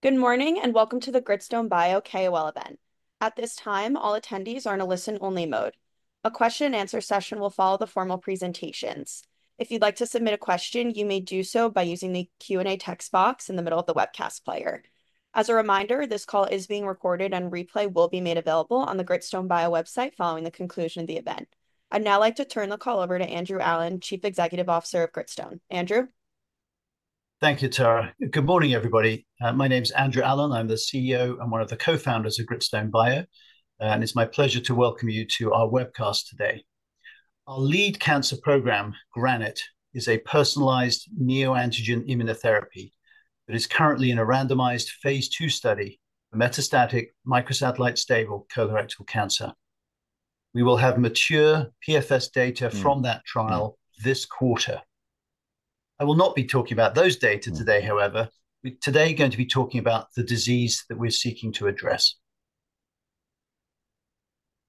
Good morning, and welcome to the Gritstone bio KOL event. At this time, all attendees are in a listen-only mode. A question and answer session will follow the formal presentations. If you'd like to submit a question, you may do so by using the Q&A text box in the middle of the webcast player. As a reminder, this call is being recorded and a replay will be made available on the Gritstone bio website following the conclusion of the event. I'd now like to turn the call over to Andrew Allen, Chief Executive Officer of Gritstone. Andrew? Thank you, Tara. Good morning, everybody. My name is Andrew Allen. I'm the CEO and one of the co-founders of Gritstone bio, and it's my pleasure to welcome you to our webcast today. Our lead cancer program, GRANITE, is a personalized neoantigen immunotherapy that is currently in a randomized phase II study for metastatic microsatellite stable colorectal cancer. We will have mature PFS data from that trial this quarter. I will not be talking about those data today, however. We today are going to be talking about the disease that we're seeking to address.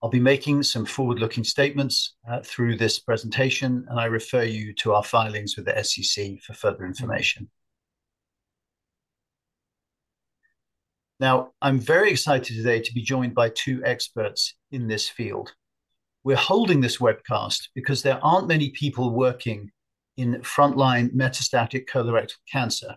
I'll be making some forward-looking statements through this presentation, and I refer you to our filings with the SEC for further information. Now, I'm very excited today to be joined by two experts in this field. We're holding this webcast because there aren't many people working in frontline metastatic colorectal cancer.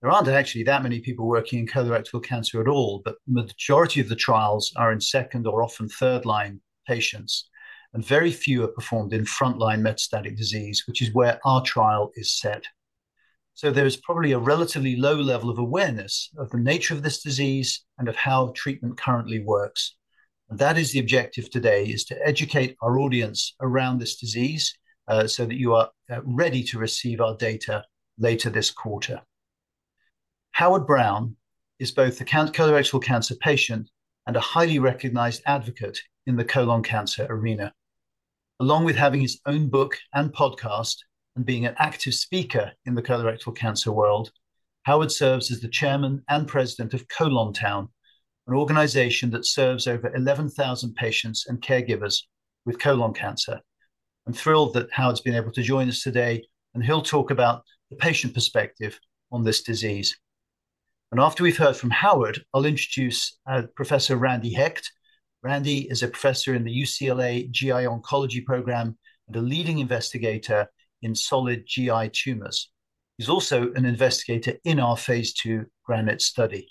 There aren't actually that many people working in colorectal cancer at all, but the majority of the trials are in second or often third-line patients, and very few are performed in frontline metastatic disease, which is where our trial is set. So there is probably a relatively low level of awareness of the nature of this disease and of how treatment currently works. And that is the objective today, is to educate our audience around this disease, so that you are ready to receive our data later this quarter. Howard Brown is both a colorectal cancer patient and a highly recognized advocate in the colon cancer arena. Along with having his own book and podcast and being an active speaker in the colorectal cancer world, Howard serves as the chairman and president of ColonTown, an organization that serves over 11,000 patients and caregivers with colon cancer. I'm thrilled that Howard's been able to join us today, and he'll talk about the patient perspective on this disease. After we've heard from Howard, I'll introduce Professor Randy Hecht. Randy is a professor in the UCLA GI Oncology Program and a leading investigator in solid GI tumors. He's also an investigator in our phase II GRANITE study,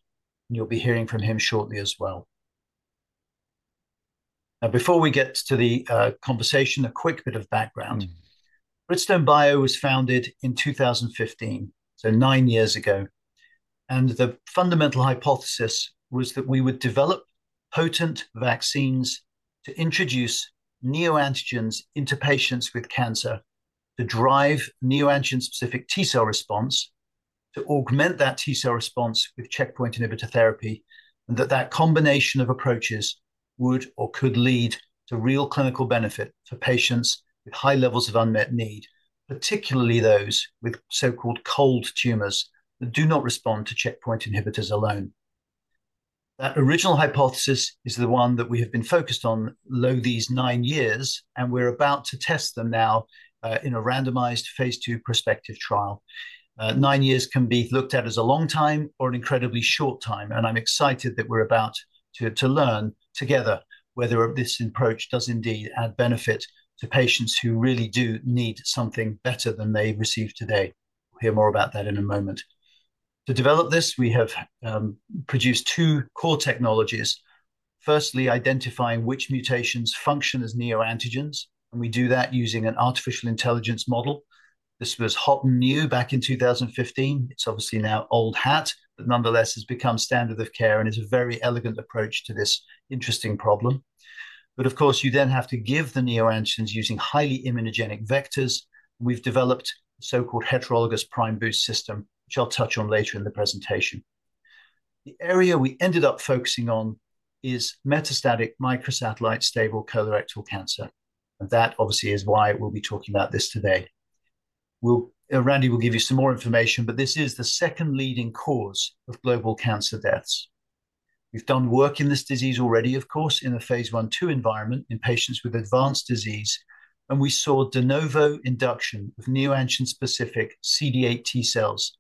and you'll be hearing from him shortly as well. Now, before we get to the conversation, a quick bit of background. Gritstone bio was founded in 2015, so 9 years ago, and the fundamental hypothesis was that we would develop potent vaccines to introduce neoantigens into patients with cancer, to drive neoantigen-specific T cell response, to augment that T cell response with checkpoint inhibitor therapy, and that that combination of approaches would or could lead to real clinical benefit for patients with high levels of unmet need, particularly those with so-called cold tumors that do not respond to checkpoint inhibitors alone. That original hypothesis is the one that we have been focused on lo these 9 years, and we're about to test them now, in a randomized phase II prospective trial. Nine years can be looked at as a long time or an incredibly short time, and I'm excited that we're about to learn together whether this approach does indeed add benefit to patients who really do need something better than they receive today. We'll hear more about that in a moment. To develop this, we have produced two core technologies. Firstly, identifying which mutations function as neoantigens, and we do that using an artificial intelligence model. This was hot and new back in 2015. It's obviously now old hat, but nonetheless, has become standard of care and is a very elegant approach to this interesting problem. But of course, you then have to give the neoantigens using highly immunogenic vectors. We've developed so-called heterologous prime boost system, which I'll touch on later in the presentation. The area we ended up focusing on is metastatic microsatellite stable colorectal cancer, and that obviously is why we'll be talking about this today. We'll, Randy will give you some more information, but this is the second leading cause of global cancer deaths. We've done work in this disease already, of course, in a phase I/II environment in patients with advanced disease, and we saw de novo induction of neoantigen-specific CD8 T cells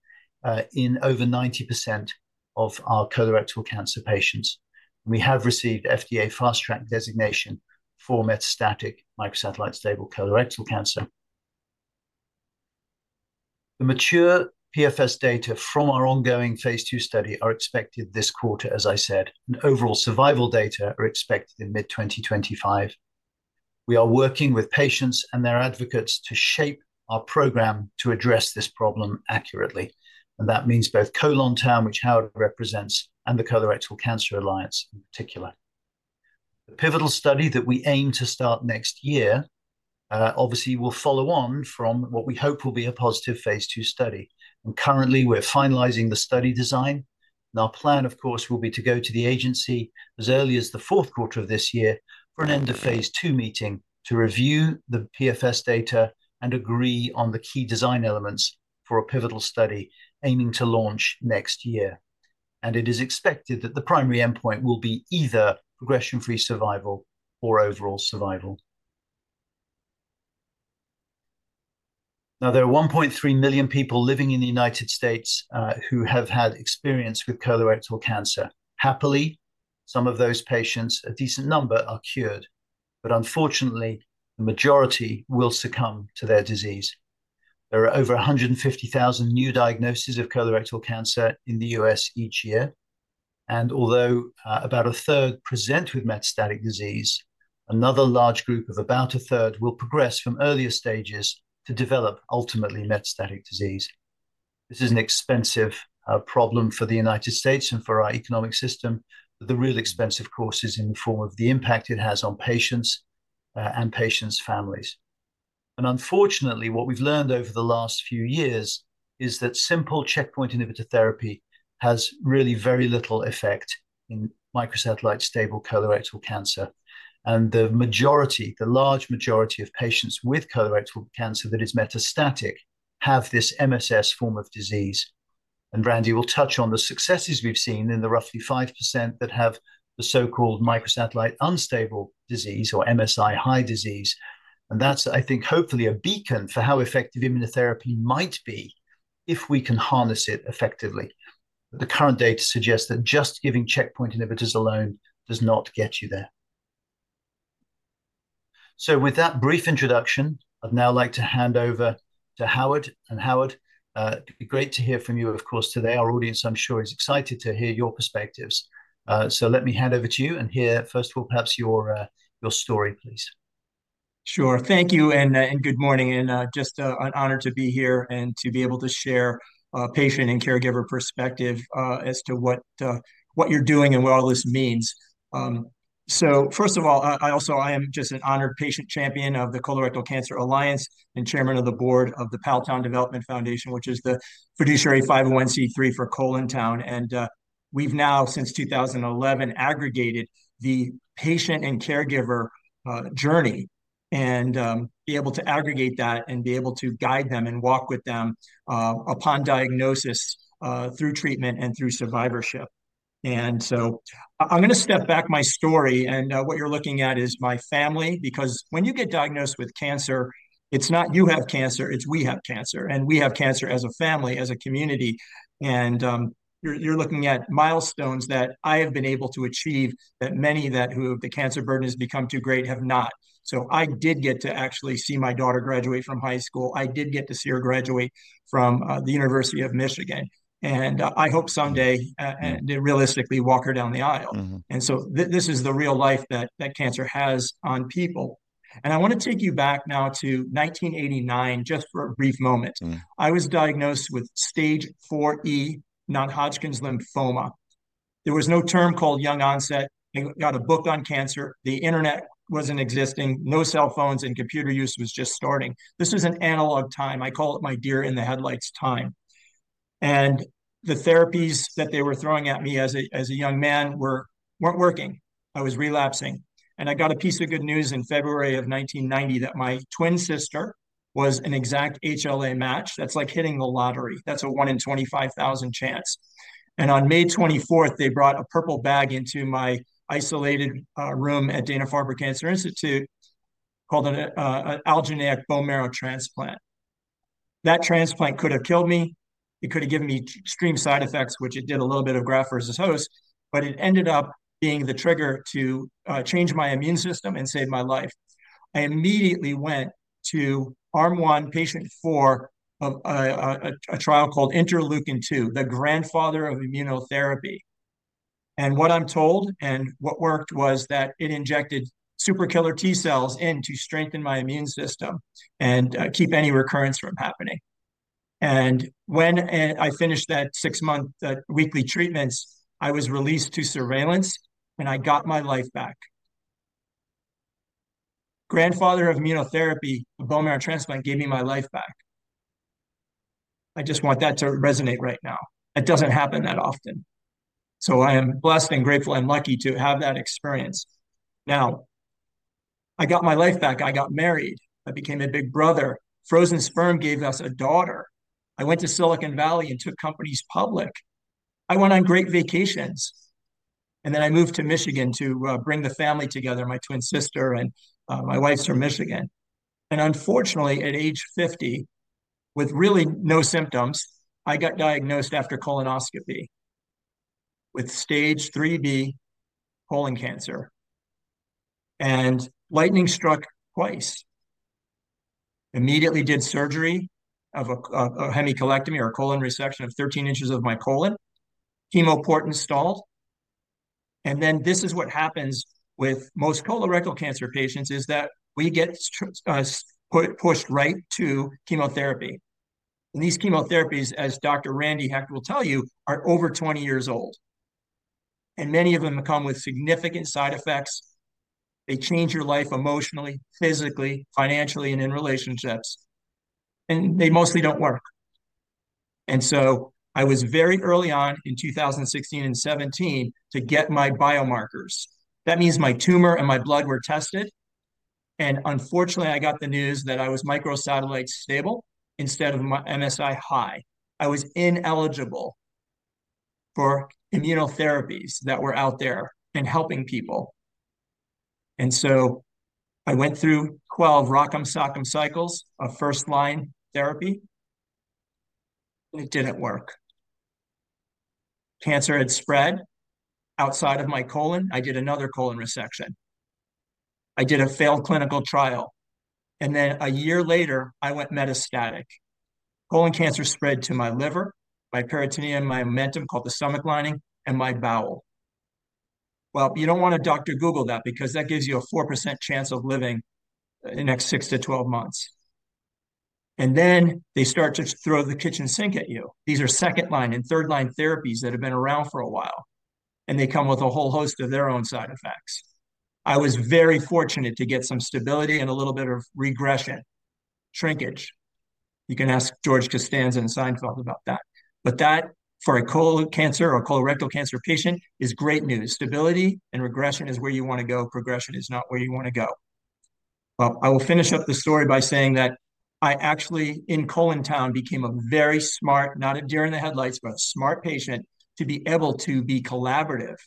in over 90% of our colorectal cancer patients. We have received FDA Fast Track designation for metastatic microsatellite stable colorectal cancer. The mature PFS data from our ongoing phase II study are expected this quarter, as I said, and overall survival data are expected in mid-2025. We are working with patients and their advocates to shape our program to address this problem accurately, and that means both ColonTown, which Howard represents, and the Colorectal Cancer Alliance in particular. The pivotal study that we aim to start next year, obviously, will follow on from what we hope will be a positive phase II study. And currently, we're finalizing the study design. And our plan, of course, will be to go to the agency as early as the fourth quarter of this year for an end of phase II meeting to review the PFS data and agree on the key design elements for a pivotal study aiming to launch next year. And it is expected that the primary endpoint will be either progression-free survival or overall survival. Now, there are 1.3 million people living in the United States who have had experience with colorectal cancer. Happily, some of those patients, a decent number, are cured, but unfortunately, the majority will succumb to their disease. There are over 150,000 new diagnoses of colorectal cancer in the U.S. each year, and although about a third present with metastatic disease, another large group of about a third will progress from earlier stages to develop ultimately metastatic disease. This is an expensive problem for the United States and for our economic system, but the real expensive cost is in the form of the impact it has on patients and patients' families. Unfortunately, what we've learned over the last few years is that simple checkpoint inhibitor therapy has really very little effect in microsatellite stable colorectal cancer. And the majority, the large majority of patients with colorectal cancer that is metastatic, have this MSS form of disease. And Randy will touch on the successes we've seen in the roughly 5% that have the so-called microsatellite unstable disease or MSI-high disease, and that's, I think, hopefully a beacon for how effective immunotherapy might be if we can harness it effectively. The current data suggests that just giving checkpoint inhibitors alone does not get you there. So with that brief introduction, I'd now like to hand over to Howard. And Howard, it'd be great to hear from you. Of course, today, our audience, I'm sure, is excited to hear your perspectives. So let me hand over to you and hear, first of all, perhaps your your story, please. Sure. Thank you, and good morning, and just an honor to be here and to be able to share patient and caregiver perspective as to what you're doing and what all this means. So first of all, I also, I am just an honored patient champion of the Colorectal Cancer Alliance and chairman of the board of the PALTOWN Development Foundation, which is the fiduciary 501(c)(3) for ColonTown. And we've now, since 2011, aggregated the patient and caregiver journey, and be able to aggregate that and be able to guide them and walk with them upon diagnosis through treatment and through survivorship. I'm gonna step back my story, and what you're looking at is my family, because when you get diagnosed with cancer, it's not you have cancer, it's we have cancer, and we have cancer as a family, as a community. You're looking at milestones that I have been able to achieve that many that who the cancer burden has become too great have not. So I did get to actually see my daughter graduate from high school. I did get to see her graduate from the University of Michigan, and I hope someday and realistically walk her down the aisle. Mm-hmm. This is the real life that cancer has on people. I wanna take you back now to 1989, just for a brief moment. Mm-hmm. I was diagnosed with stage IV non-Hodgkin's lymphoma. There was no term called young onset. I got a book on cancer. The Internet wasn't existing, no cell phones, and computer use was just starting. This was an analog time. I call it my deer in the headlights time. The therapies that they were throwing at me as a, as a young man were... weren't working. I was relapsing, and I got a piece of good news in February of 1990, that my twin sister was an exact HLA match. That's like hitting the lottery. That's a one in 25,000 chance. On May 24th, they brought a purple bag into my isolated room at Dana-Farber Cancer Institute, called an allogeneic bone marrow transplant. That transplant could have killed me. It could have given me extreme side effects, which it did a little bit of graft-versus-host, but it ended up being the trigger to change my immune system and save my life. I immediately went to Arm 1, Patient 4 of a trial called Interleukin-2, the grandfather of immunotherapy. And what I'm told and what worked was that it injected super killer T cells into strengthen my immune system and keep any recurrence from happening. And when I finished that six-month weekly treatments, I was released to surveillance, and I got my life back. Grandfather of immunotherapy, a bone marrow transplant, gave me my life back. I just want that to resonate right now. It doesn't happen that often. So I am blessed and grateful and lucky to have that experience. Now, I got my life back. I got married. I became a big brother. Frozen sperm gave us a daughter. I went to Silicon Valley and took companies public. I went on great vacations, and then I moved to Michigan to bring the family together, my twin sister and my wife's from Michigan. And unfortunately, at age 50, with really no symptoms, I got diagnosed after colonoscopy with stage IIIB colon cancer, and lightning struck twice. Immediately did surgery of a hemicolectomy or a colon resection of 13 inches of my colon, chemo port installed. And then this is what happens with most colorectal cancer patients, is that we get pushed right to chemotherapy. And these chemotherapies, as Dr. Randy Hecht will tell you, are over 20 years old, and many of them come with significant side effects. They change your life emotionally, physically, financially, and in relationships, and they mostly don't work. And so I was very early on in 2016 and 2017 to get my biomarkers. That means my tumor and my blood were tested, and unfortunately, I got the news that I was microsatellite stable instead of MSI-high. I was ineligible for immunotherapies that were out there and helping people... And so I went through 12 Rock 'Em Sock 'Em cycles of first-line therapy. It didn't work. Cancer had spread outside of my colon. I did another colon resection. I did a failed clinical trial, and then a year later, I went metastatic. Colon cancer spread to my liver, my peritoneum, my omentum, called the stomach lining, and my bowel. Well, you don't want to Dr. Google that because that gives you a 4% chance of living the next six-12 months. And then they start to throw the kitchen sink at you. These are second-line and third-line therapies that have been around for a while, and they come with a whole host of their own side effects. I was very fortunate to get some stability and a little bit of regression, shrinkage. You can ask George Costanza on Seinfeld about that. But that, for a colon cancer or colorectal cancer patient, is great news. Stability and regression is where you want to go; progression is not where you want to go. Well, I will finish up this story by saying that I actually, in ColonTown, became a very smart, not a deer in the headlights, but a smart patient to be able to be collaborative.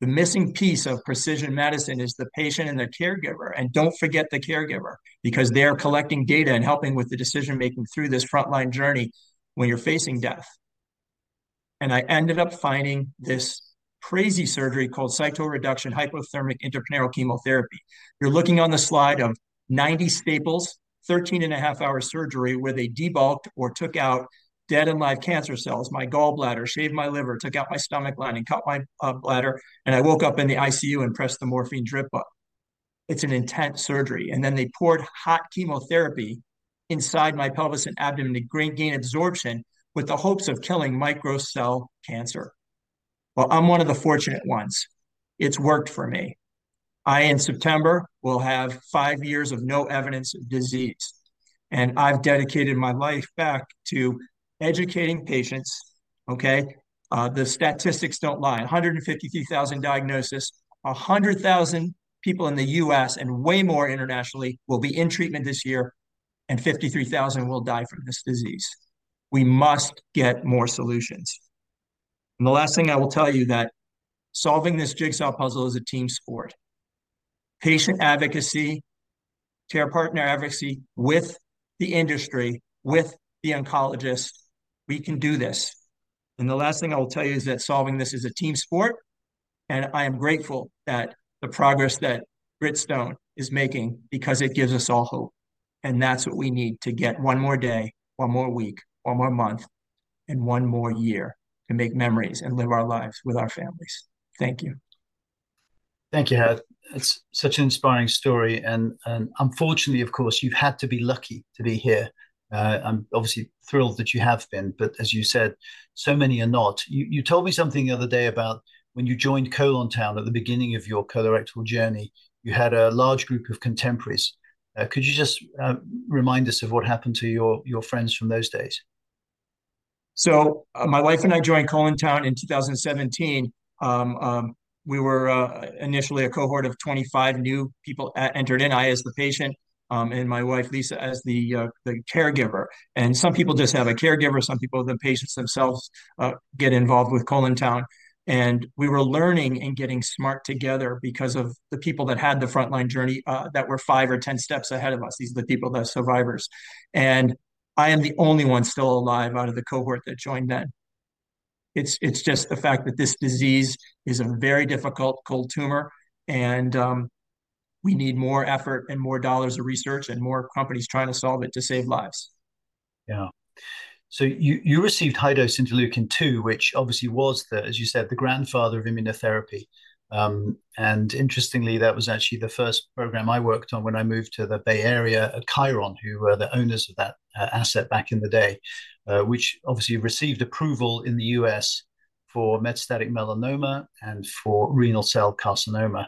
The missing piece of precision medicine is the patient and their caregiver, and don't forget the caregiver, because they are collecting data and helping with the decision-making through this frontline journey when you're facing death. I ended up finding this crazy surgery called cytoreductive hyperthermic intraperitoneal chemotherapy. You're looking on the slide of 90 staples, 13.5-hour surgery, where they debulked or took out dead and live cancer cells, my gallbladder, shaved my liver, took out my stomach lining, cut my bladder, and I woke up in the ICU and pressed the morphine drip button. It's an intense surgery, and then they poured hot chemotherapy inside my pelvis and abdomen to gain absorption with the hopes of killing micro cell cancer. Well, I'm one of the fortunate ones. It's worked for me. I, in September, will have five years of no evidence of disease, and I've dedicated my life back to educating patients, okay? The statistics don't lie. 153,000 diagnoses, 100,000 people in the U.S., and way more internationally, will be in treatment this year, and 53,000 will die from this disease. We must get more solutions. The last thing I will tell you that solving this jigsaw puzzle is a team sport. Patient advocacy, care partner advocacy with the industry, with the oncologist, we can do this. The last thing I will tell you is that solving this is a team sport, and I am grateful that the progress that Gritstone is making because it gives us all hope, and that's what we need to get one more day, one more week, one more month, and one more year to make memories and live our lives with our families. Thank you. Thank you, Howard. It's such an inspiring story, and unfortunately, of course, you've had to be lucky to be here. I'm obviously thrilled that you have been, but as you said, so many are not. You told me something the other day about when you joined ColonTown at the beginning of your colorectal journey, you had a large group of contemporaries. Could you just remind us of what happened to your friends from those days? So my wife and I joined ColonTown in 2017. We were initially a cohort of 25 new people entered in, I as the patient, and my wife, Lisa, as the caregiver. And some people just have a caregiver, some people, the patients themselves, get involved with ColonTown. And we were learning and getting smart together because of the people that had the frontline journey that were 5 or 10 steps ahead of us. These are the people, the survivors, and I am the only one still alive out of the cohort that joined then. It's just the fact that this disease is a very difficult cold tumor, and we need more effort and more dollars of research and more companies trying to solve it to save lives. Yeah. So you, you received high-dose interleukin-2, which obviously was the, as you said, the grandfather of immunotherapy. And interestingly, that was actually the first program I worked on when I moved to the Bay Area at Chiron, who were the owners of that, asset back in the day. Which obviously received approval in the U.S. for metastatic melanoma and for renal cell carcinoma.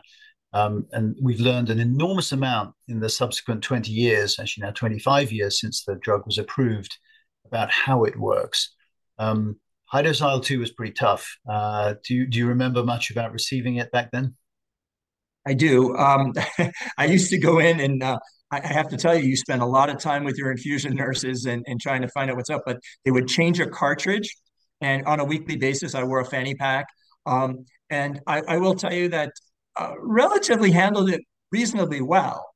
And we've learned an enormous amount in the subsequent 20 years, actually now 25 years since the drug was approved, about how it works. High-dose IL-2 was pretty tough. Do you, do you remember much about receiving it back then? I do. I used to go in and I have to tell you, you spend a lot of time with your infusion nurses and trying to find out what's up, but they would change a cartridge, and on a weekly basis, I wore a fanny pack. I will tell you that relatively handled it reasonably well,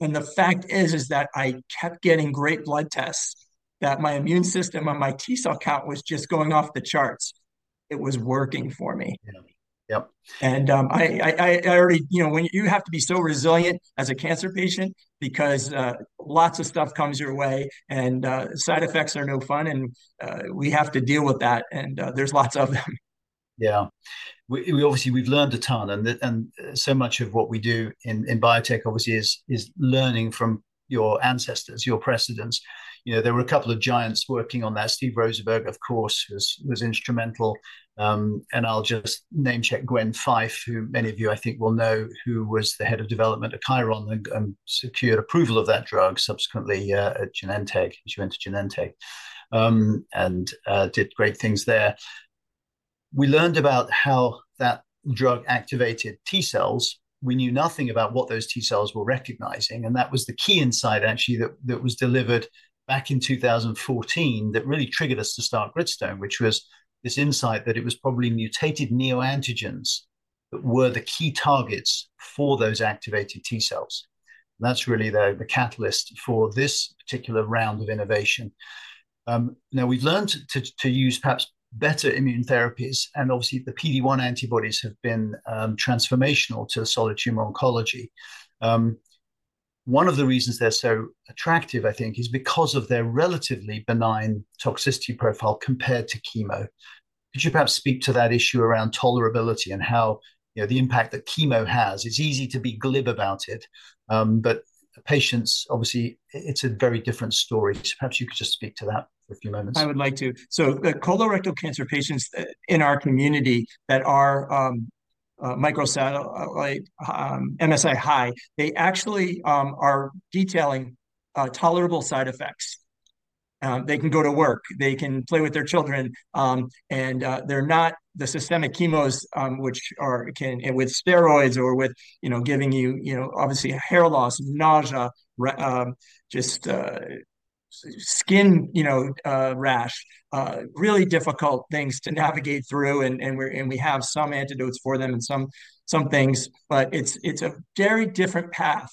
and the fact is that I kept getting great blood tests, that my immune system and my T cell count was just going off the charts. It was working for me. Yep. I already... You know, when you have to be so resilient as a cancer patient because lots of stuff comes your way, and side effects are no fun, and we have to deal with that, and there's lots of them. Yeah. We've obviously learned a ton, and so much of what we do in biotech obviously is learning from your ancestors, your precedents. You know, there were a couple of giants working on that. Steve Rosenberg, of course, was instrumental. And I'll just namecheck Gwen Fyfe, who many of you, I think, will know, who was the head of development at Chiron and secured approval of that drug, subsequently at Genentech. She went to Genentech and did great things there. We learned about how that drug activated T cells. We knew nothing about what those T cells were recognizing, and that was the key insight, actually, that was delivered back in 2014, that really triggered us to start Gritstone, which was this insight that it was probably mutated neoantigens-... were the key targets for those activated T cells. That's really the catalyst for this particular round of innovation. Now we've learned to use perhaps better immune therapies, and obviously, the PD-1 antibodies have been transformational to solid tumor oncology. One of the reasons they're so attractive, I think, is because of their relatively benign toxicity profile compared to chemo. Could you perhaps speak to that issue around tolerability and how, you know, the impact that chemo has? It's easy to be glib about it, but for patients, obviously, it's a very different story. Perhaps you could just speak to that for a few moments. I would like to. The colorectal cancer patients that, in our community that are, microsatellite, MSI-high, they actually are detailing tolerable side effects. They can go to work, they can play with their children, and they're not the systemic chemos, which are- can... and with steroids or with, you know, giving you, you know, obviously, hair loss, nausea, re- just, s- skin, you know, rash. Really difficult things to navigate through, and we're- and we have some antidotes for them and some, some things, but it's, it's a very different path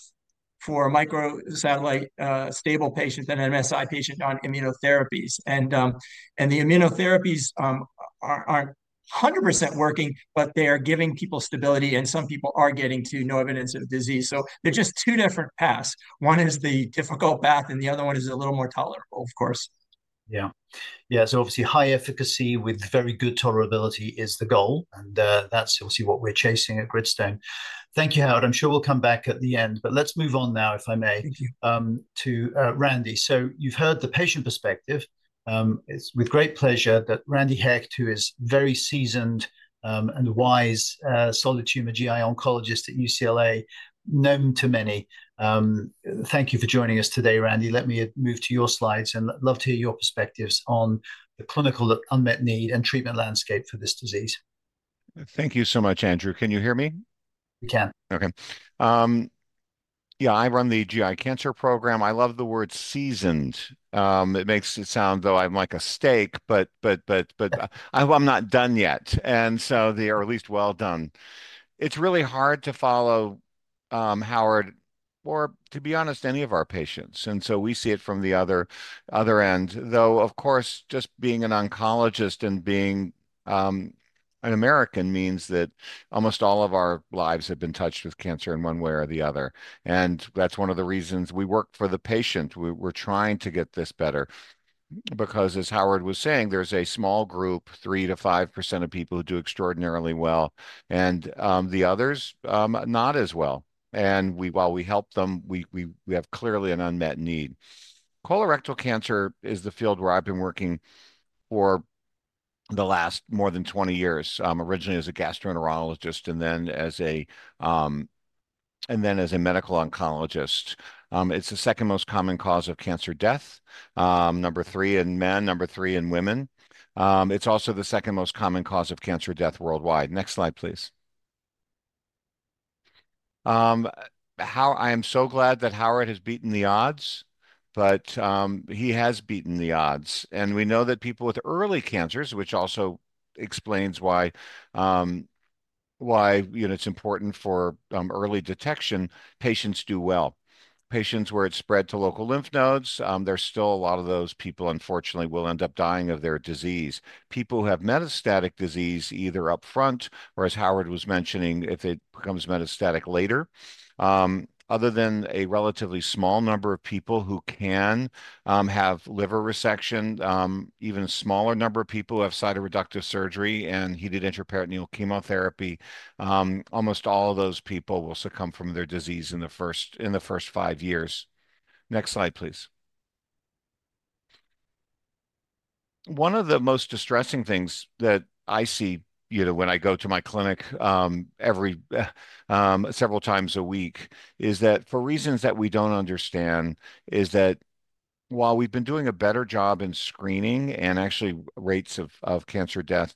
for microsatellite, stable patient than an MSI patient on immunotherapies. The immunotherapies aren't 100% working, but they are giving people stability, and some people are getting to no evidence of disease. They're just two different paths. One is the difficult path, and the other one is a little more tolerable, of course. Yeah. Yeah, so obviously, high efficacy with very good tolerability is the goal, and that's obviously what we're chasing at Gritstone. Thank you, Howard. I'm sure we'll come back at the end, but let's move on now, if I may- Thank you... to Randy. So you've heard the patient perspective. It's with great pleasure that Randy Hecht, who is very seasoned and wise, solid tumor GI oncologist at UCLA, known to many. Thank you for joining us today, Randy. Let me move to your slides, and I'd love to hear your perspectives on the clinical unmet need and treatment landscape for this disease. Thank you so much, Andrew. Can you hear me? We can. Okay. Yeah, I run the GI cancer program. I love the word seasoned. It makes it sound though I'm like a steak, but I'm not done yet, and so they are at least well done. It's really hard to follow Howard or, to be honest, any of our patients, and so we see it from the other end. Though, of course, just being an oncologist and being an American means that almost all of our lives have been touched with cancer in one way or the other, and that's one of the reasons we work for the patient. We're trying to get this better because, as Howard was saying, there's a small group, 3%-5% of people, who do extraordinarily well, and the others not as well. While we help them, we have clearly an unmet need. Colorectal cancer is the field where I've been working for the last more than 20 years, originally as a gastroenterologist and then as a medical oncologist. It's the second most common cause of cancer death, number 3 in men, number 3 in women. It's also the second most common cause of cancer death worldwide. Next slide, please. However, I am so glad that Howard has beaten the odds, but he has beaten the odds, and we know that people with early cancers, which also explains why, you know, it's important for early detection, patients do well. Patients where it's spread to local lymph nodes, there's still a lot of those people, unfortunately, will end up dying of their disease. People who have metastatic disease, either upfront or, as Howard was mentioning, if it becomes metastatic later, other than a relatively small number of people who can have liver resection, even a smaller number of people who have cytoreductive surgery and heated intraperitoneal chemotherapy, almost all of those people will succumb from their disease in the first, in the first five years. Next slide, please. One of the most distressing things that I see, you know, when I go to my clinic every several times a week, is that for reasons that we don't understand, is that while we've been doing a better job in screening and actually rates of, of cancer death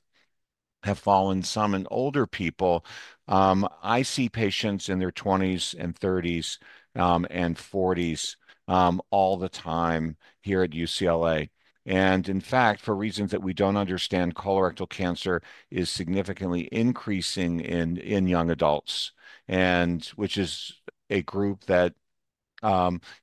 have fallen some in older people, I see patients in their 20s and 30s and 40s all the time here at UCLA. In fact, for reasons that we don't understand, colorectal cancer is significantly increasing in young adults, which is a group that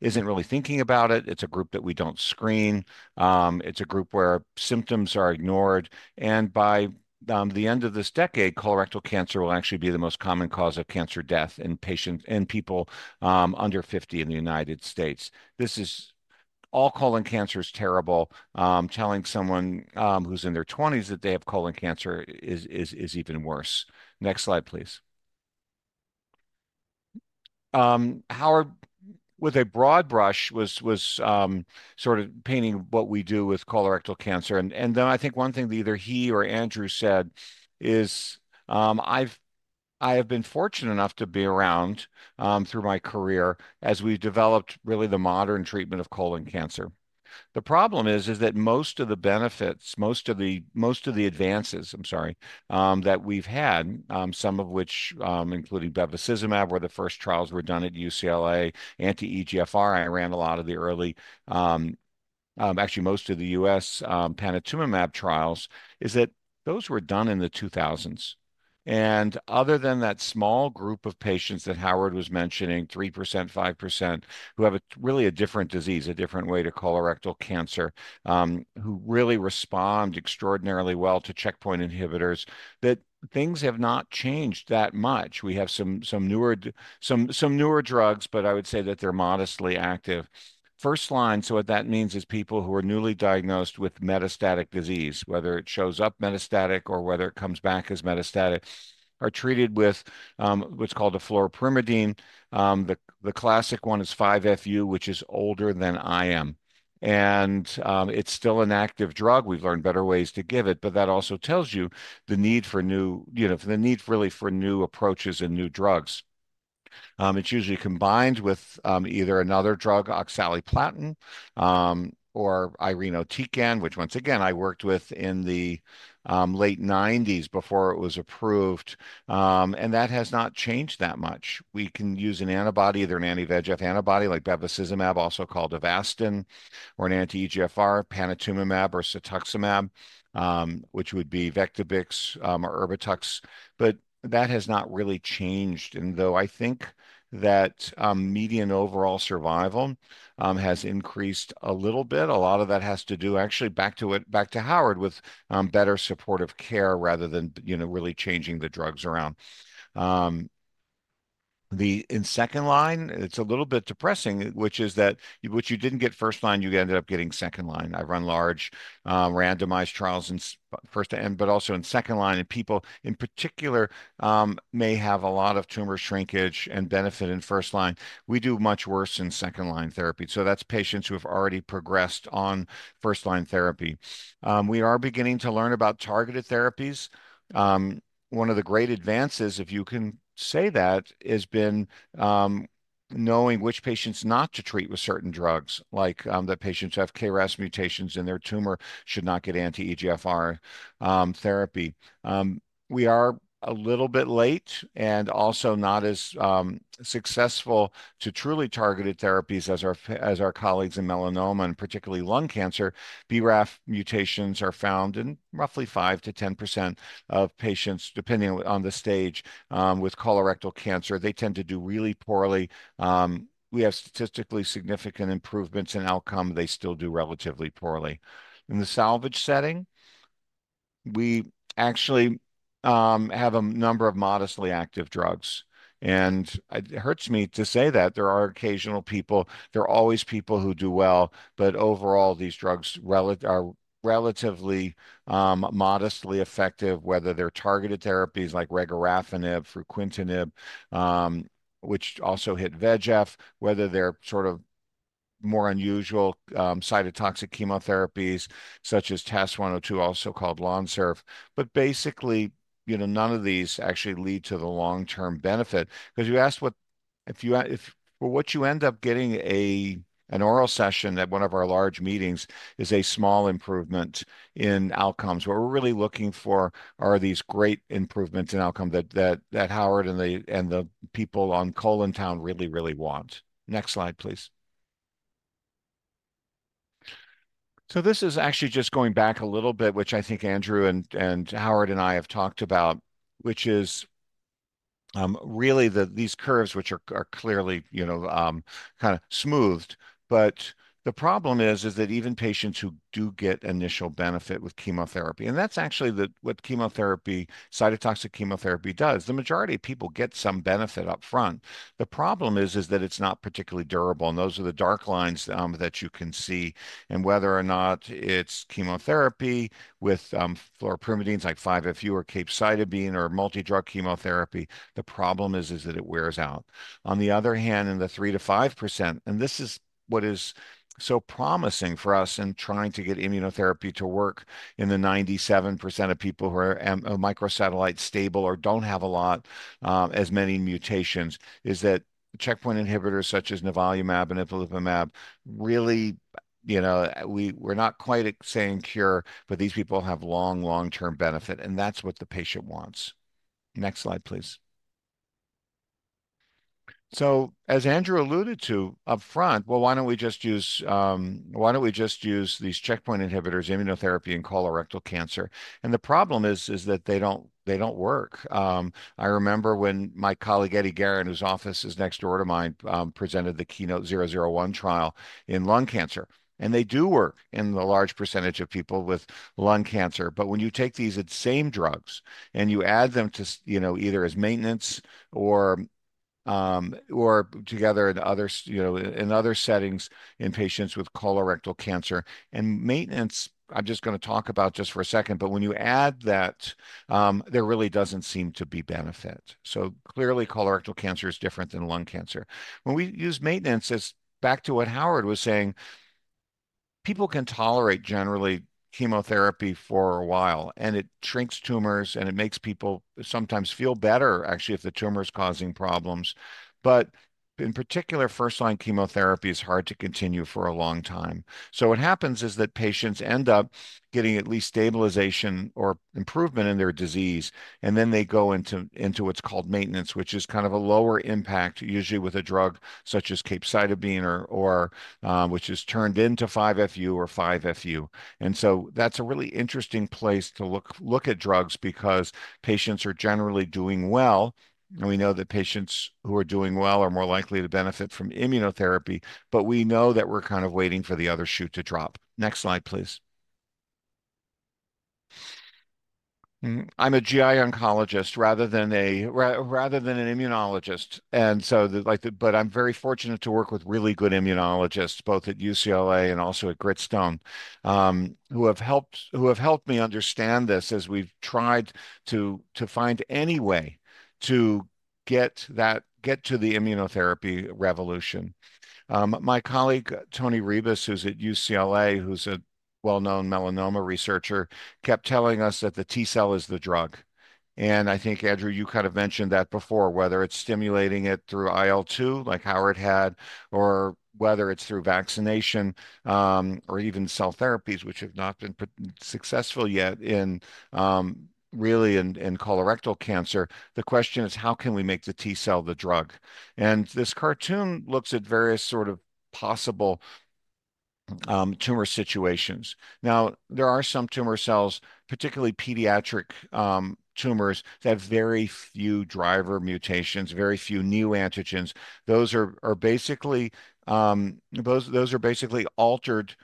isn't really thinking about it. It's a group that we don't screen. It's a group where symptoms are ignored, and by the end of this decade, colorectal cancer will actually be the most common cause of cancer death in patients, in people under 50 in the United States. This is... All colon cancer is terrible. Telling someone who's in their 20s that they have colon cancer is even worse. Next slide, please. Howard, with a broad brush, was sort of painting what we do with colorectal cancer, and then I think one thing that either he or Andrew said is, I have been fortunate enough to be around, through my career as we've developed really the modern treatment of colon cancer. The problem is that most of the benefits, most of the advances, I'm sorry, that we've had, some of which, including bevacizumab, where the first trials were done at UCLA, anti-EGFR, I ran a lot of the early, actually most of the U.S., panitumumab trials is that those were done in the 2000s. Other than that small group of patients that Howard was mentioning, 3%, 5%, who have a really different disease, a different way to colorectal cancer, who really respond extraordinarily well to checkpoint inhibitors, that things have not changed that much. We have some newer drugs, but I would say that they're modestly active. First line, so what that means is people who are newly diagnosed with metastatic disease, whether it shows up metastatic or whether it comes back as metastatic, are treated with what's called a fluoropyrimidine. The classic one is 5-FU, which is older than I am, and it's still an active drug. We've learned better ways to give it, but that also tells you the need for new, you know, the need really for new approaches and new drugs. It's usually combined with either another drug, oxaliplatin, or irinotecan, which once again I worked with in the late 90s before it was approved. And that has not changed that much. We can use an antibody, either an anti-VEGF antibody like bevacizumab, also called Avastin, or an anti-EGFR, panitumumab or cetuximab, which would be Vectibix or Erbitux, but that has not really changed. And though I think that median overall survival has increased a little bit, a lot of that has to do, actually back to it, back to Howard, with better supportive care rather than you know really changing the drugs around. In second line, it's a little bit depressing, which is that what you didn't get first line, you ended up getting second line. I run large randomized trials in first line, but also in second line, and people in particular may have a lot of tumor shrinkage and benefit in first line. We do much worse in second-line therapy, so that's patients who have already progressed on first-line therapy. We are beginning to learn about targeted therapies. One of the great advances, if you can say that, has been knowing which patients not to treat with certain drugs, like that patients who have KRAS mutations in their tumor should not get anti-EGFR therapy. We are a little bit late and also not as successful to truly targeted therapies as our colleagues in melanoma and particularly lung cancer. BRAF mutations are found in roughly 5%-10% of patients, depending on the stage. With colorectal cancer, they tend to do really poorly. We have statistically significant improvements in outcome. They still do relatively poorly. In the salvage setting, we actually have a number of modestly active drugs, and it hurts me to say that there are occasional people, there are always people who do well, but overall, these drugs are relatively modestly effective, whether they're targeted therapies like regorafenib, fruquintinib, which also hit VEGF, whether they're sort of more unusual cytotoxic chemotherapies, such as TAS-102, also called Lonserf. But basically, you know, none of these actually lead to the long-term benefit. Because you ask what you end up getting, an oral session at one of our large meetings is a small improvement in outcomes. What we're really looking for are these great improvements in outcome that Howard and the people on ColonTown really, really want. Next slide, please. So this is actually just going back a little bit, which I think Andrew and Howard and I have talked about, which is really that these curves, which are clearly, you know, kind of smoothed. But the problem is that even patients who do get initial benefit with chemotherapy, and that's actually what cytotoxic chemotherapy does. The majority of people get some benefit up front. The problem is that it's not particularly durable, and those are the dark lines that you can see. And whether or not it's chemotherapy with fluoropyrimidines like 5-FU or capecitabine or multidrug chemotherapy, the problem is that it wears out. On the other hand, in the 3%-5%, and this is what is so promising for us in trying to get immunotherapy to work in the 97% of people who are, microsatellite stable or don't have a lot, as many mutations, is that checkpoint inhibitors such as nivolumab and ipilimumab, really, you know, we're not quite at saying cure, but these people have long, long-term benefit, and that's what the patient wants. Next slide, please. So as Andrew alluded to upfront, well, why don't we just use, why don't we just use these checkpoint inhibitors, immunotherapy in colorectal cancer? And the problem is, is that they don't, they don't work. I remember when my colleague, Eddie Garon, whose office is next door to mine, presented the KEYNOTE-001 trial in lung cancer, and they do work in a large percentage of people with lung cancer. But when you take these same drugs and you add them to, you know, either as maintenance or, or together in other, you know, in other settings, in patients with colorectal cancer. And maintenance, I'm just gonna talk about just for a second, but when you add that, there really doesn't seem to be benefit. So clearly, colorectal cancer is different than lung cancer. When we use maintenance, it's back to what Howard was saying.... People can tolerate, generally, chemotherapy for a while, and it shrinks tumors, and it makes people sometimes feel better, actually, if the tumor is causing problems. But in particular, first-line chemotherapy is hard to continue for a long time. So what happens is that patients end up getting at least stabilization or improvement in their disease, and then they go into what's called maintenance, which is kind of a lower impact, usually with a drug such as capecitabine, which is turned into 5-FU. And so that's a really interesting place to look at drugs because patients are generally doing well, and we know that patients who are doing well are more likely to benefit from immunotherapy, but we know that we're kind of waiting for the other shoe to drop. Next slide, please. I'm a GI oncologist rather than a rather than an immunologist, and so, like, but I'm very fortunate to work with really good immunologists, both at UCLA and also at Gritstone, who have helped me understand this as we've tried to find any way to get to the immunotherapy revolution. My colleague, Tony Ribas, who's at UCLA, who's a well-known melanoma researcher, kept telling us that the T cell is the drug. And I think, Andrew, you kind of mentioned that before, whether it's stimulating it through IL-2, like how it had, or whether it's through vaccination, or even cell therapies, which have not been successful yet in really in colorectal cancer. The question is: How can we make the T cell the drug? And this cartoon looks at various sort of possible tumor situations. Now, there are some tumor cells, particularly pediatric, tumors, that have very few driver mutations, very few new antigens. Those are basically altered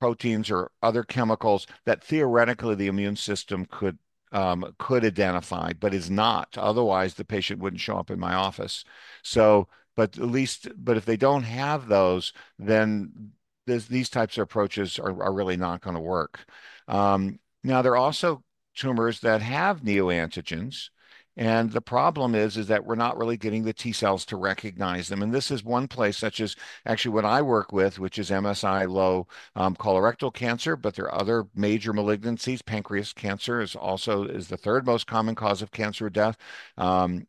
proteins or other chemicals that theoretically the immune system could identify, but is not. Otherwise, the patient wouldn't show up in my office. But if they don't have those, then these types of approaches are really not gonna work. Now, there are also tumors that have neoantigens, and the problem is that we're not really getting the T cells to recognize them, and this is one place, such as actually what I work with, which is MSI-low, colorectal cancer, but there are other major malignancies. Pancreas cancer is also the third most common cause of cancer death,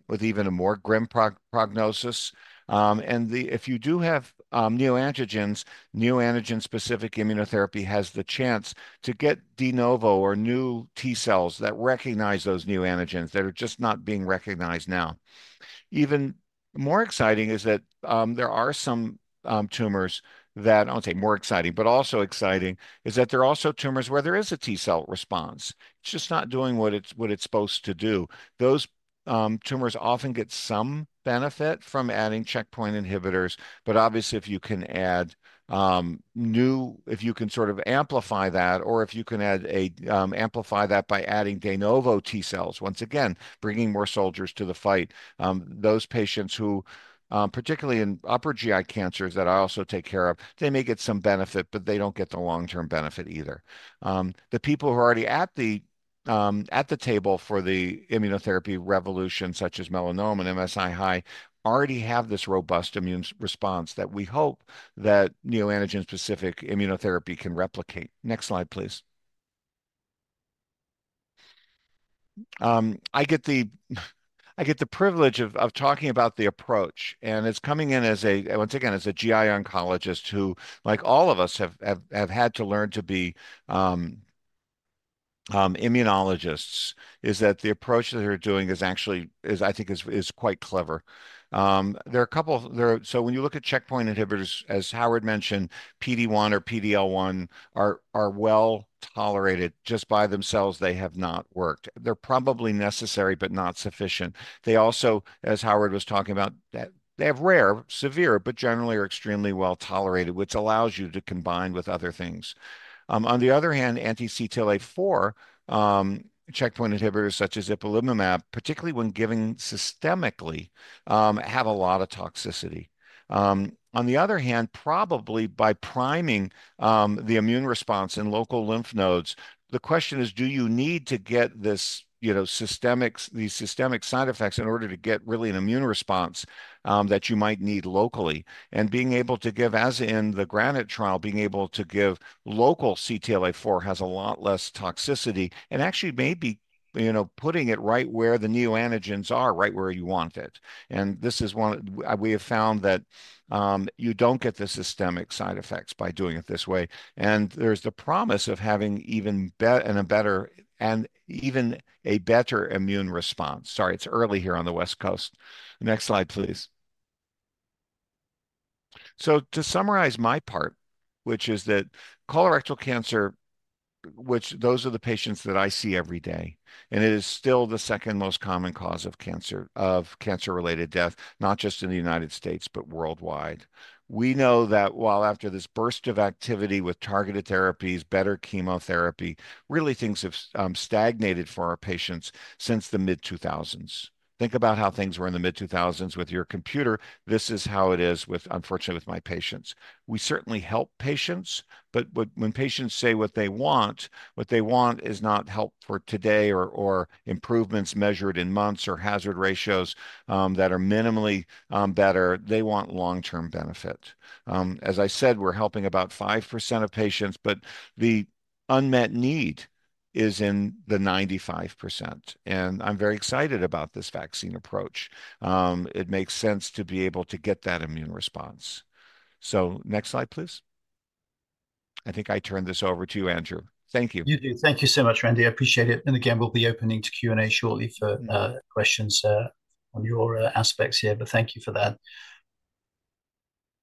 with even a more grim prognosis. If you do have neoantigens, neoantigen-specific immunotherapy has the chance to get de novo or new T cells that recognize those neoantigens that are just not being recognized now. Even more exciting is that there are some tumors that... I won't say more exciting, but also exciting, is that there are also tumors where there is a T cell response. It's just not doing what it's supposed to do. Those tumors often get some benefit from adding checkpoint inhibitors. But obviously, if you can sort of amplify that, or if you can add and amplify that by adding de novo T cells, once again, bringing more soldiers to the fight, those patients who, particularly in upper GI cancers that I also take care of, they may get some benefit, but they don't get the long-term benefit either. The people who are already at the table for the immunotherapy revolution, such as melanoma and MSI-high, already have this robust immune response that we hope that neoantigen-specific immunotherapy can replicate. Next slide, please. I get the privilege of talking about the approach, and it's coming in as a, once again, as a GI oncologist who, like all of us, have had to learn to be immunologists. Is that the approach that we're doing actually, I think is quite clever. So when you look at checkpoint inhibitors, as Howard mentioned, PD-1 or PD-L1 are well tolerated. Just by themselves, they have not worked. They're probably necessary, but not sufficient. They also, as Howard was talking about, that they have rare, severe, but generally are extremely well tolerated, which allows you to combine with other things. On the other hand, anti-CTLA-4 checkpoint inhibitors, such as ipilimumab, particularly when given systemically, have a lot of toxicity. On the other hand, probably by priming the immune response in local lymph nodes, the question is: Do you need to get this, you know, systemic, these systemic side effects in order to get really an immune response that you might need locally? And being able to give, as in the GRANITE trial, being able to give local CTLA-4 has a lot less toxicity and actually may be, you know, putting it right where the neoantigens are, right where you want it. And this is one we have found that you don't get the systemic side effects by doing it this way, and there's the promise of having even better, and even a better immune response. Sorry, it's early here on the West Coast. Next slide, please. So to summarize my part, which is that colorectal cancer, which those are the patients that I see every day, and it is still the second most common cause of cancer, of cancer-related death, not just in the United States, but worldwide. We know that while after this burst of activity with targeted therapies, better chemotherapy, really, things have stagnated for our patients since the mid-2000s. Think about how things were in the mid-2000s with your computer. This is how it is with, unfortunately, with my patients. We certainly help patients, but when, when patients say what they want, what they want is not help for today or, or improvements measured in months or hazard ratios that are minimally better. They want long-term benefit. As I said, we're helping about 5% of patients, but the unmet need-... is in the 95%, and I'm very excited about this vaccine approach. It makes sense to be able to get that immune response. So next slide, please. I think I turn this over to you, Andrew. Thank you. You do. Thank you so much, Randy. I appreciate it. And again, we'll be opening to Q&A shortly for questions on your aspects here, but thank you for that.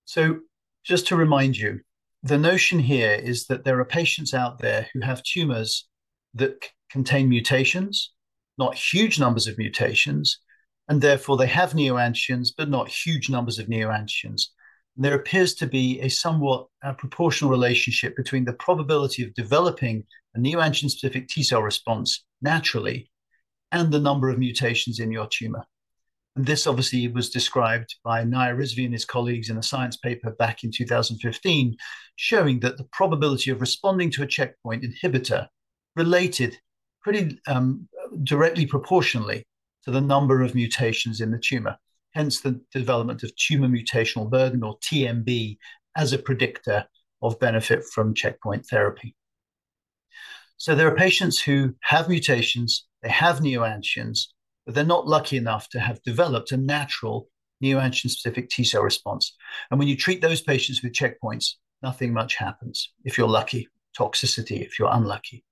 So just to remind you, the notion here is that there are patients out there who have tumors that contain mutations, not huge numbers of mutations, and therefore they have neoantigens, but not huge numbers of neoantigens. There appears to be a somewhat proportional relationship between the probability of developing a neoantigen-specific T cell response naturally, and the number of mutations in your tumor. And this obviously was described by Naiyer Rizvi and his colleagues in a Science paper back in 2015, showing that the probability of responding to a checkpoint inhibitor related pretty, directly proportionally to the number of mutations in the tumor, hence the development of tumor mutational burden, or TMB, as a predictor of benefit from checkpoint therapy. So there are patients who have mutations, they have neoantigens, but they're not lucky enough to have developed a natural neoantigen-specific T cell response. And when you treat those patients with checkpoints, nothing much happens. If you're lucky, toxicity, if you're unlucky,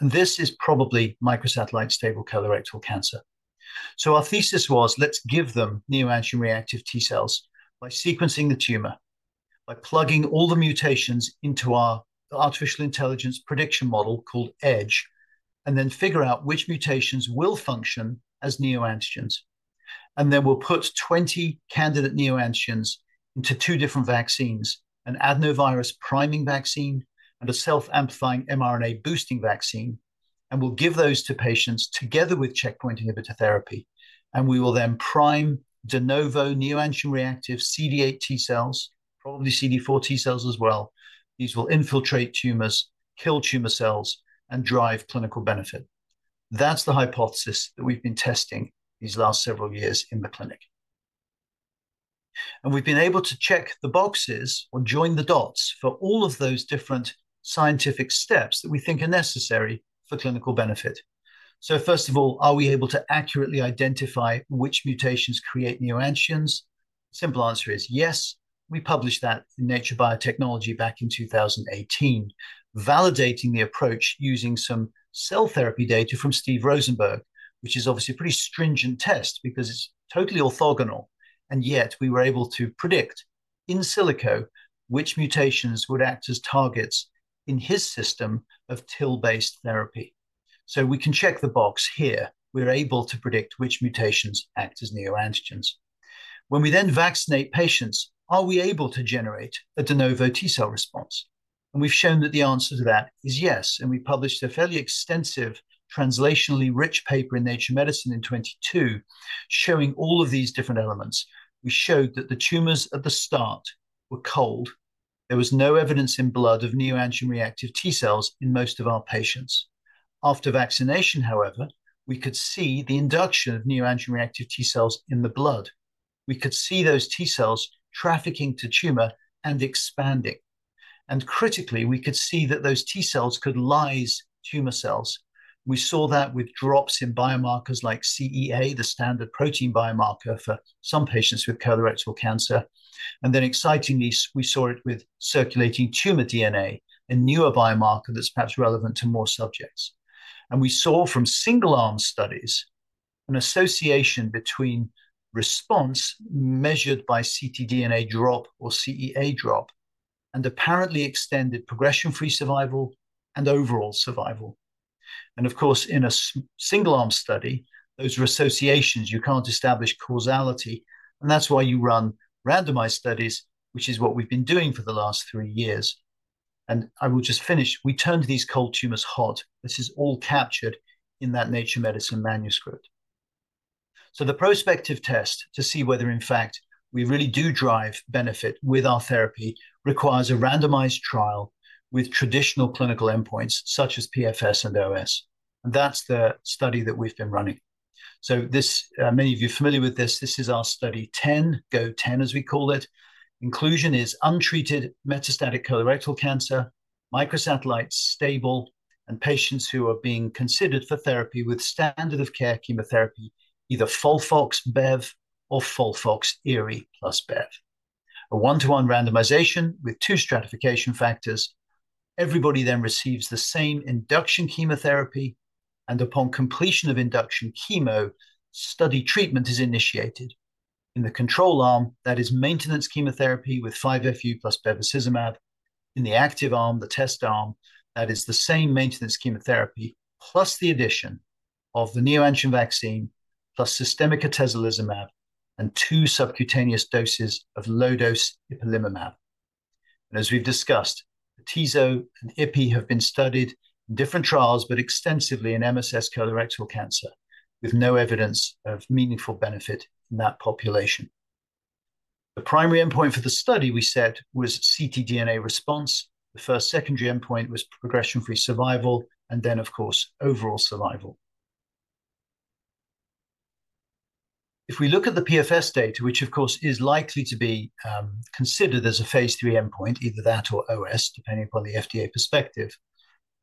and this is probably microsatellite stable colorectal cancer. So our thesis was, let's give them neoantigen-reactive T cells by sequencing the tumor, by plugging all the mutations into our artificial intelligence prediction model called EDGE, and then figure out which mutations will function as neoantigens. And then we'll put 20 candidate neoantigens into two different vaccines, an adenovirus priming vaccine, and a self-amplifying mRNA boosting vaccine, and we'll give those to patients together with checkpoint inhibitor therapy. And we will then prime de novo neoantigen-reactive CD8 T cells, probably CD4 T cells as well. These will infiltrate tumors, kill tumor cells, and drive clinical benefit. That's the hypothesis that we've been testing these last several years in the clinic. And we've been able to check the boxes or join the dots for all of those different scientific steps that we think are necessary for clinical benefit. So first of all, are we able to accurately identify which mutations create neoantigens? Simple answer is yes. We published that in Nature Biotechnology back in 2018, validating the approach using some cell therapy data from Steve Rosenberg, which is obviously a pretty stringent test because it's totally orthogonal, and yet we were able to predict in silico, which mutations would act as targets in his system of TIL-based therapy. So we can check the box here. We're able to predict which mutations act as neoantigens. When we then vaccinate patients, are we able to generate a de novo T cell response? And we've shown that the answer to that is yes, and we published a fairly extensive, translationally rich paper in Nature Medicine in 2022, showing all of these different elements. We showed that the tumors at the start were cold. There was no evidence in blood of neoantigen-reactive T cells in most of our patients. After vaccination, however, we could see the induction of neoantigen-reactive T cells in the blood. We could see those T cells trafficking to tumor and expanding. And critically, we could see that those T cells could lyse tumor cells. We saw that with drops in biomarkers like CEA, the standard protein biomarker for some patients with colorectal cancer, and then excitingly, we saw it with circulating tumor DNA, a newer biomarker that's perhaps relevant to more subjects. And we saw from single-arm studies, an association between response measured by ctDNA drop or CEA drop, and apparently extended progression-free survival and overall survival. And of course, in a single-arm study, those are associations. You can't establish causality, and that's why you run randomized studies, which is what we've been doing for the last three years. And I will just finish. We turned these cold tumors hot. This is all captured in that Nature Medicine manuscript. So the prospective test to see whether, in fact, we really do drive benefit with our therapy, requires a randomized trial with traditional clinical endpoints such as PFS and OS. That's the study that we've been running. So this, many of you are familiar with this. This is our study ten, GO-10, as we call it. Inclusion is untreated, metastatic colorectal cancer, microsatellite stable, and patients who are being considered for therapy with standard of care chemotherapy, either FOLFOX/Bev or FOLFOXIRI plus Bev. A one-to-one randomization with two stratification factors. Everybody then receives the same induction chemotherapy, and upon completion of induction chemo, study treatment is initiated. In the control arm, that is maintenance chemotherapy with 5-FU plus bevacizumab. In the active arm, the test arm, that is the same maintenance chemotherapy, plus the addition of the neoantigen vaccine, plus systemic atezolizumab, and two subcutaneous doses of low-dose ipilimumab. As we've discussed, Atezo and Ipi have been studied in different trials, but extensively in MSS colorectal cancer, with no evidence of meaningful benefit in that population. The primary endpoint for the study, we said, was ctDNA response. The first secondary endpoint was progression-free survival, and then, of course, overall survival. If we look at the PFS data, which of course, is likely to be, considered as a phase III endpoint, either that or OS, depending upon the FDA perspective.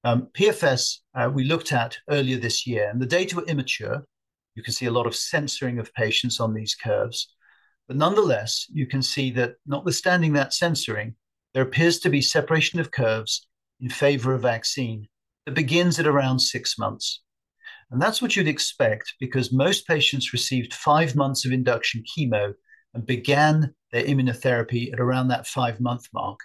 PFS, we looked at earlier this year, and the data were immature. You can see a lot of censoring of patients on these curves, but nonetheless, you can see that notwithstanding that censoring, there appears to be separation of curves in favor of vaccine that begins at around six months. And that's what you'd expect, because most patients received five months of induction chemo and began their immunotherapy at around that five-month mark,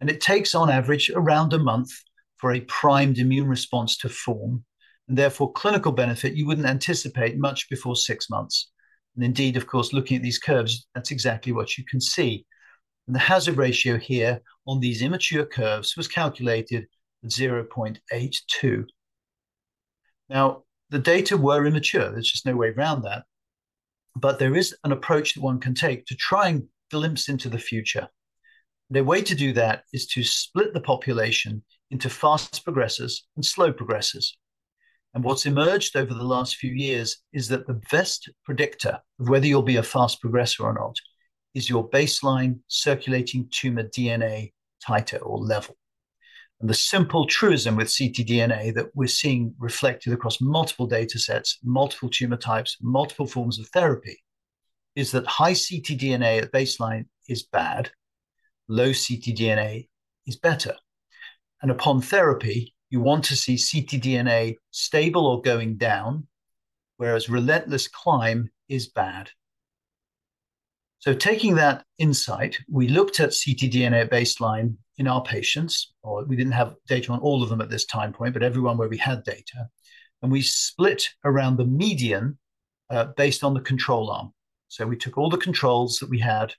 and it takes, on average, around a month for a primed immune response to form, and therefore, clinical benefit you wouldn't anticipate much before six months. And indeed, of course, looking at these curves, that's exactly what you can see. And the hazard ratio here on these immature curves was calculated at 0.82. Now, the data were immature. There's just no way around that, but there is an approach that one can take to try and glimpse into the future. The way to do that is to split the population into fast progressors and slow progressors. What's emerged over the last few years is that the best predictor of whether you'll be a fast progressor or not is your baseline circulating tumor DNA, titer or level. The simple truism with ctDNA that we're seeing reflected across multiple datasets, multiple tumor types, multiple forms of therapy, is that high ctDNA at baseline is bad, low ctDNA is better, and upon therapy, you want to see ctDNA stable or going down, whereas relentless climb is bad. So taking that insight, we looked at ctDNA baseline in our patients, or we didn't have data on all of them at this time point, but everyone where we had data, and we split around the median, based on the control arm. So we took all the controls that we had.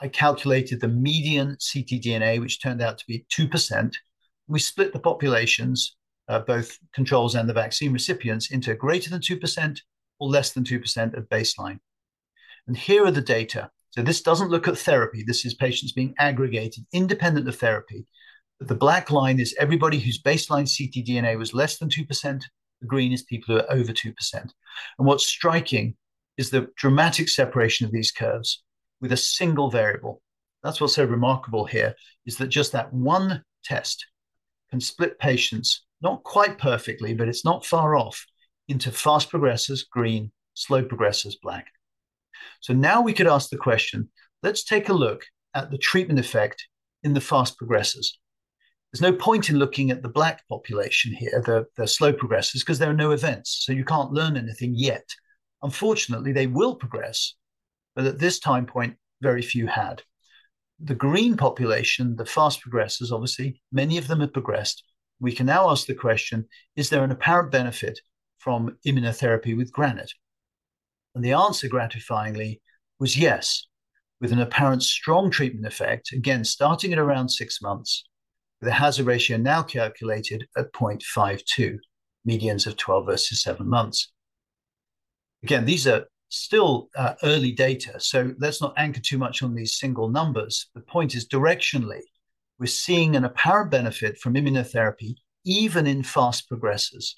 I calculated the median ctDNA, which turned out to be 2%. We split the populations, both controls and the vaccine recipients, into greater than 2% or less than 2% of baseline. And here are the data. So this doesn't look at therapy. This is patients being aggregated independent of therapy. The black line is everybody whose baseline ctDNA was less than 2%. The green is people who are over 2%. And what's striking is the dramatic separation of these curves with a single variable. That's what's so remarkable here, is that just that one test can split patients, not quite perfectly, but it's not far off, into fast progressors, green, slow progressors, black. So now we could ask the question, let's take a look at the treatment effect in the fast progressors. There's no point in looking at the black population here, the slow progressors, because there are no events, so you can't learn anything yet. Unfortunately, they will progress, but at this time point, very few had. The green population, the fast progressors, obviously, many of them have progressed. We can now ask the question, is there an apparent benefit from immunotherapy with GRANITE? And the answer, gratifyingly, was yes, with an apparent strong treatment effect, again, starting at around 6 months, the hazard ratio now calculated at 0.52, medians of 12 versus seven months. Again, these are still early data, so let's not anchor too much on these single numbers. The point is, directionally, we're seeing an apparent benefit from immunotherapy, even in fast progressors.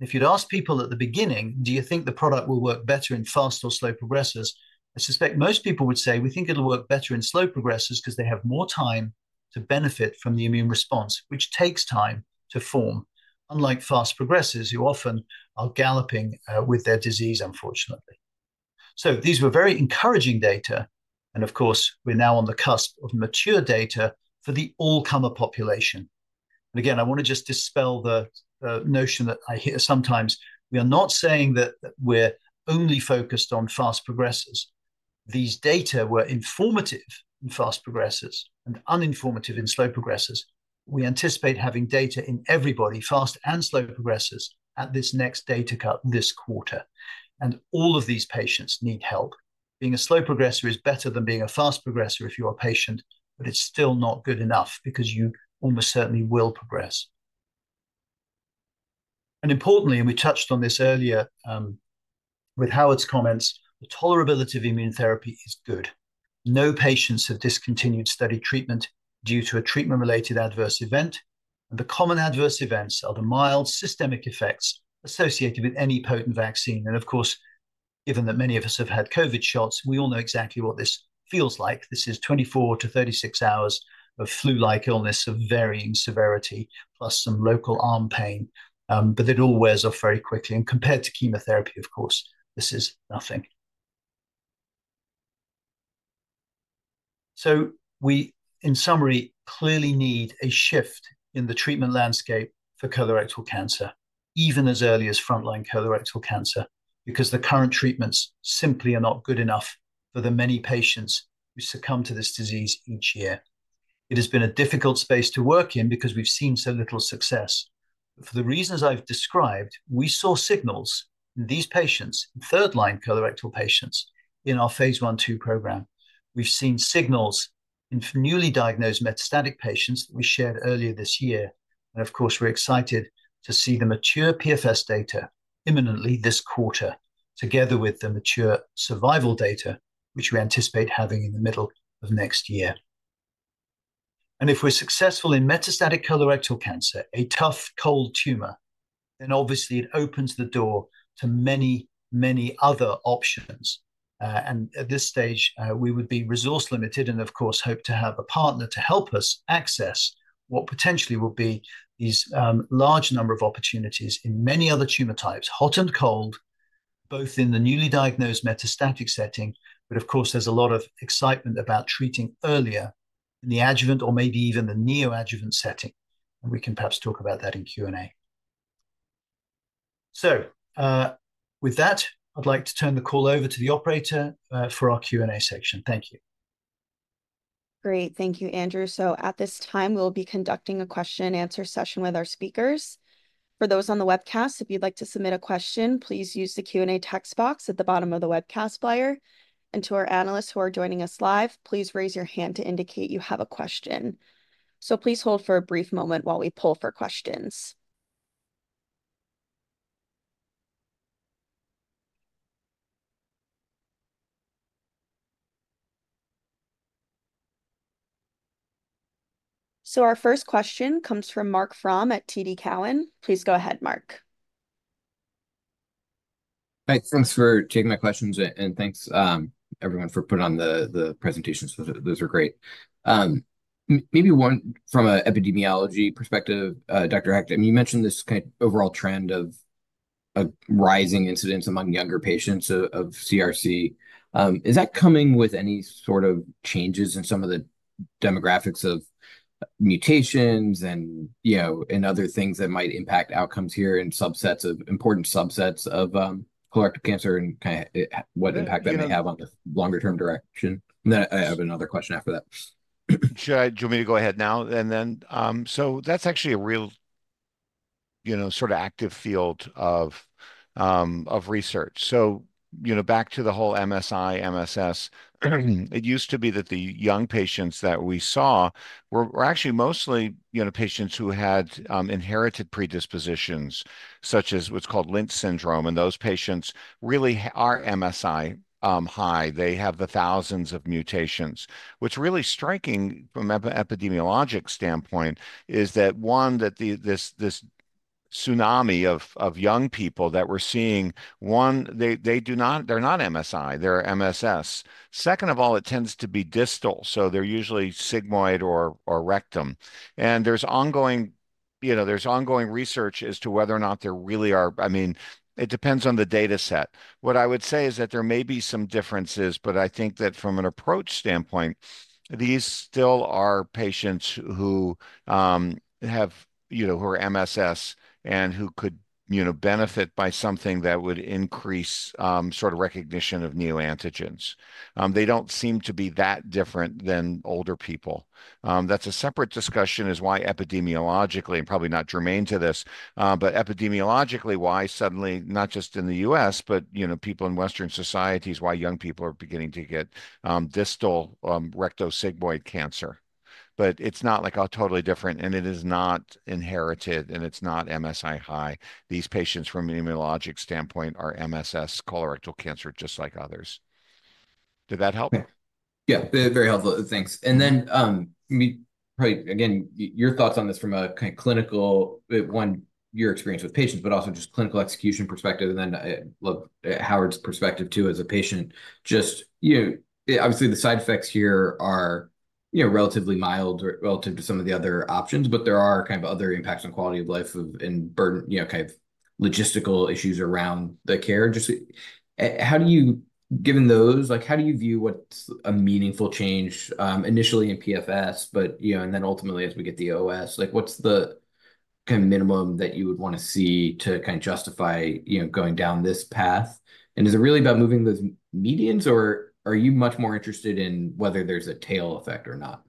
If you'd asked people at the beginning, "Do you think the product will work better in fast or slow progressors?" I suspect most people would say, "We think it'll work better in slow progressors, because they have more time to benefit from the immune response, which takes time to form." Unlike fast progressors, who often are galloping with their disease, unfortunately. So these were very encouraging data, and of course, we're now on the cusp of mature data for the all-comer population. And again, I want to just dispel the notion that I hear sometimes. We are not saying that we're only focused on fast progressors. These data were informative in fast progressors and uninformative in slow progressors. We anticipate having data in everybody, fast and slow progressors, at this next data cut this quarter, and all of these patients need help. Being a slow progressor is better than being a fast progressor if you are a patient, but it's still not good enough, because you almost certainly will progress. Importantly, and we touched on this earlier, with Howard's comments, the tolerability of immune therapy is good. No patients have discontinued study treatment due to a treatment-related adverse event, and the common adverse events are the mild systemic effects associated with any potent vaccine. Of course, given that many of us have had COVID shots, we all know exactly what this feels like. This is 24-36 hours of flu-like illness of varying severity, plus some local arm pain. But it all wears off very quickly, and compared to chemotherapy, of course, this is nothing. So we, in summary, clearly need a shift in the treatment landscape for colorectal cancer, even as early as frontline colorectal cancer, because the current treatments simply are not good enough for the many patients who succumb to this disease each year. It has been a difficult space to work in because we've seen so little success. For the reasons I've described, we saw signals in these patients, third-line colorectal patients, in our phase I/II program. We've seen signals in newly diagnosed metastatic patients we shared earlier this year, and of course, we're excited to see the mature PFS data imminently this quarter, together with the mature survival data, which we anticipate having in the middle of next year. If we're successful in metastatic colorectal cancer, a tough cold tumor, then obviously it opens the door to many, many other options. At this stage, we would be resource limited and of course, hope to have a partner to help us access what potentially will be these, large number of opportunities in many other tumor types, hot and cold, both in the newly diagnosed metastatic setting. But of course, there's a lot of excitement about treating earlier in the adjuvant or maybe even the neoadjuvant setting. We can perhaps talk about that in Q&A. With that, I'd like to turn the call over to the operator, for our Q&A section. Thank you. Great. Thank you, Andrew. So at this time, we'll be conducting a question and answer session with our speakers. For those on the webcast, if you'd like to submit a question, please use the Q&A text box at the bottom of the webcast player. And to our analysts who are joining us live, please raise your hand to indicate you have a question. So please hold for a brief moment while we pull for questions. So our first question comes from Marc Frahm at TD Cowen. Please go ahead, Marc. Hi. Thanks for taking my questions, and thanks, everyone for putting on the presentations. Those are great. Maybe one from an epidemiology perspective, Dr. Hecht, I mean, you mentioned this kind of overall trend of rising incidence among younger patients of CRC. Is that coming with any sort of changes in some of the demographics of mutations and, you know, and other things that might impact outcomes here in subsets of, important subsets of, colorectal cancer, and kind of what impact that may have on the longer-term direction? And then I have another question after that. Sure. Do you want me to go ahead now and then... So that's actually a real, you know, sort of active field of research. So, you know, back to the whole MSI, MSS, it used to be that the young patients that we saw were actually mostly, you know, patients who had inherited predispositions, such as what's called Lynch syndrome, and those patients really are MSI high. They have the thousands of mutations. What's really striking from epidemiologic standpoint is that, one, that the this tsunami of young people that we're seeing, one, they do not, they're not MSI, they're MSS. Second of all, it tends to be distal, so they're usually sigmoid or rectum. And there's ongoing, you know, there's ongoing research as to whether or not there really are, I mean, it depends on the data set. What I would say is that there may be some differences, but I think that from an approach standpoint, these still are patients who, you know, who are MSS and who could, you know, benefit by something that would increase, sort of recognition of neoantigens. They don't seem to be that different than older people. That's a separate discussion, is why epidemiologically, and probably not germane to this, but epidemiologically, why suddenly, not just in the U.S., but, you know, people in Western societies, why young people are beginning to get, distal, rectosigmoid cancer. But it's not like all totally different, and it is not inherited, and it's not MSI high. These patients, from an immunologic standpoint, are MSS colorectal cancer, just like others. Did that help? Yeah, very helpful. Thanks. Then, maybe, probably, again, your thoughts on this from a kind of clinical, one, your experience with patients, but also just clinical execution perspective, and then, look at Howard's perspective, too, as a patient. Just, you know, obviously, the side effects here are, you know, relatively mild or relative to some of the other options, but there are kind of other impacts on quality of life and burden, you know, kind of logistical issues around the care. Just, how do you, given those, like, how do you view what's a meaningful change, initially in PFS, but, you know, and then ultimately, as we get the OS, like, what's the kind of minimum that you would want to see to kind of justify, you know, going down this path? Is it really about moving those medians, or are you much more interested in whether there's a tail effect or not?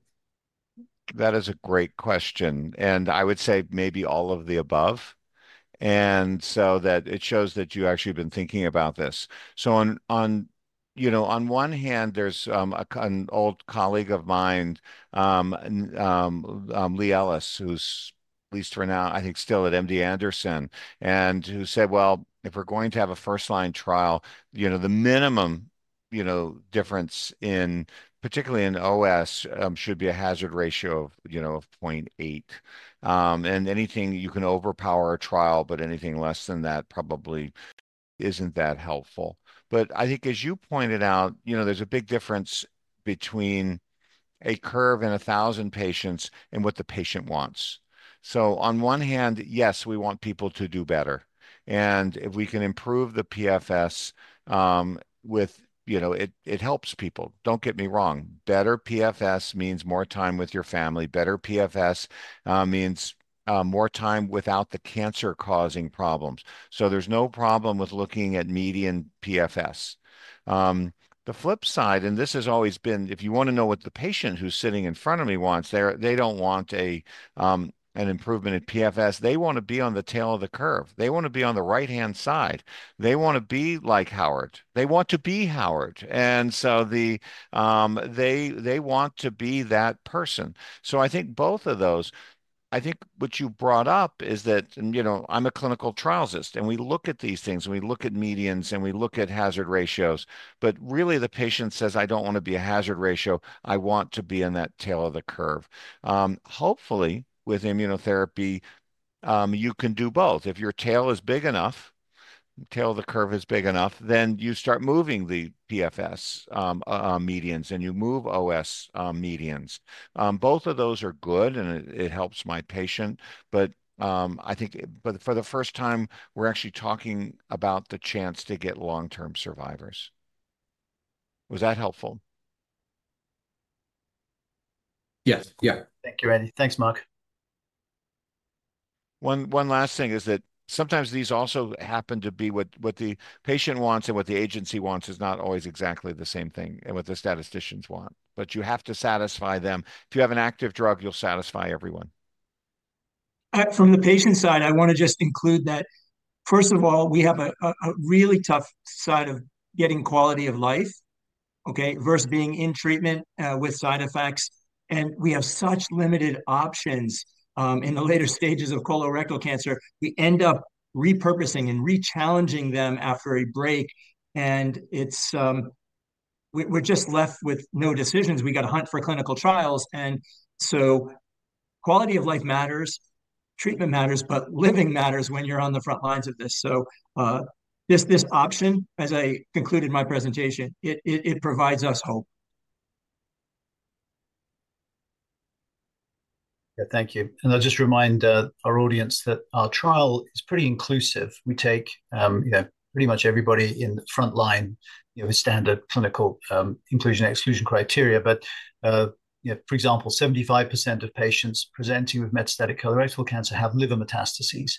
That is a great question, and I would say maybe all of the above. And so that it shows that you've actually been thinking about this. So on, you know, on one hand, there's an old colleague of mine, Lee Ellis, who's at least for now, I think, still at MD Anderson, and who said, "Well, if we're going to have a first-line trial, you know, the minimum, you know, difference in, particularly in OS, should be a hazard ratio of, you know, of 0.8. And anything, you can overpower a trial, but anything less than that probably isn't that helpful." But I think as you pointed out, you know, there's a big difference between a curve and 1,000 patients and what the patient wants. So on one hand, yes, we want people to do better, and if we can improve the PFS, you know, it helps people. Don't get me wrong, better PFS means more time with your family. Better PFS means more time without the cancer causing problems. So there's no problem with looking at median PFS. The flip side, and this has always been, if you want to know what the patient who's sitting in front of me wants, they don't want an improvement in PFS. They want to be on the tail of the curve. They want to be on the right-hand side. They want to be like Howard. They want to be Howard. And so they want to be that person. So I think both of those-... I think what you brought up is that, you know, I'm a clinical trialist, and we look at these things, and we look at medians, and we look at hazard ratios. But really, the patient says, "I don't want to be a hazard ratio. I want to be in that tail of the curve." Hopefully, with immunotherapy, you can do both. If your tail is big enough, tail of the curve is big enough, then you start moving the PFS medians, and you move OS medians. Both of those are good, and it helps my patient, but I think, but for the first time, we're actually talking about the chance to get long-term survivors. Was that helpful? Yes. Yeah. Thank you, Randy. Thanks, Mark. One last thing is that sometimes these also happen to be what the patient wants and what the agency wants is not always exactly the same thing and what the statisticians want. But you have to satisfy them. If you have an active drug, you'll satisfy everyone. From the patient side, I want to just include that, first of all, we have a really tough side of getting quality of life, okay, versus being in treatment with side effects, and we have such limited options in the later stages of colorectal cancer. We end up repurposing and re-challenging them after a break, and it's, we're just left with no decisions. We've got to hunt for clinical trials, and so quality of life matters, treatment matters, but living matters when you're on the front lines of this. So, this option, as I concluded my presentation, it provides us hope. Yeah, thank you. And I'll just remind our audience that our trial is pretty inclusive. We take, you know, pretty much everybody in the front line, you know, with standard clinical inclusion/exclusion criteria. But, you know, for example, 75% of patients presenting with metastatic colorectal cancer have liver metastases.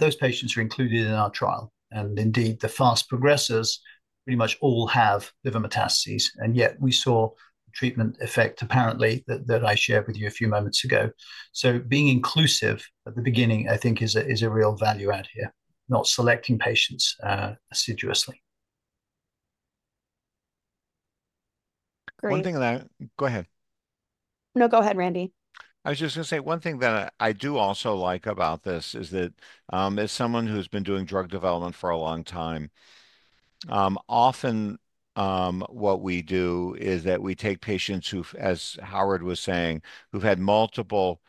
Those patients are included in our trial, and indeed, the fast progressors pretty much all have liver metastases, and yet we saw treatment effect, apparently, that, that I shared with you a few moments ago. So being inclusive at the beginning, I think is a, is a real value add here, not selecting patients assiduously. Great. One thing that I... Go ahead. No, go ahead, Randy. I was just going to say, one thing that I, I do also like about this is that, as someone who's been doing drug development for a long time, often, what we do is that we take patients who've, as Howard was saying, who've had multiple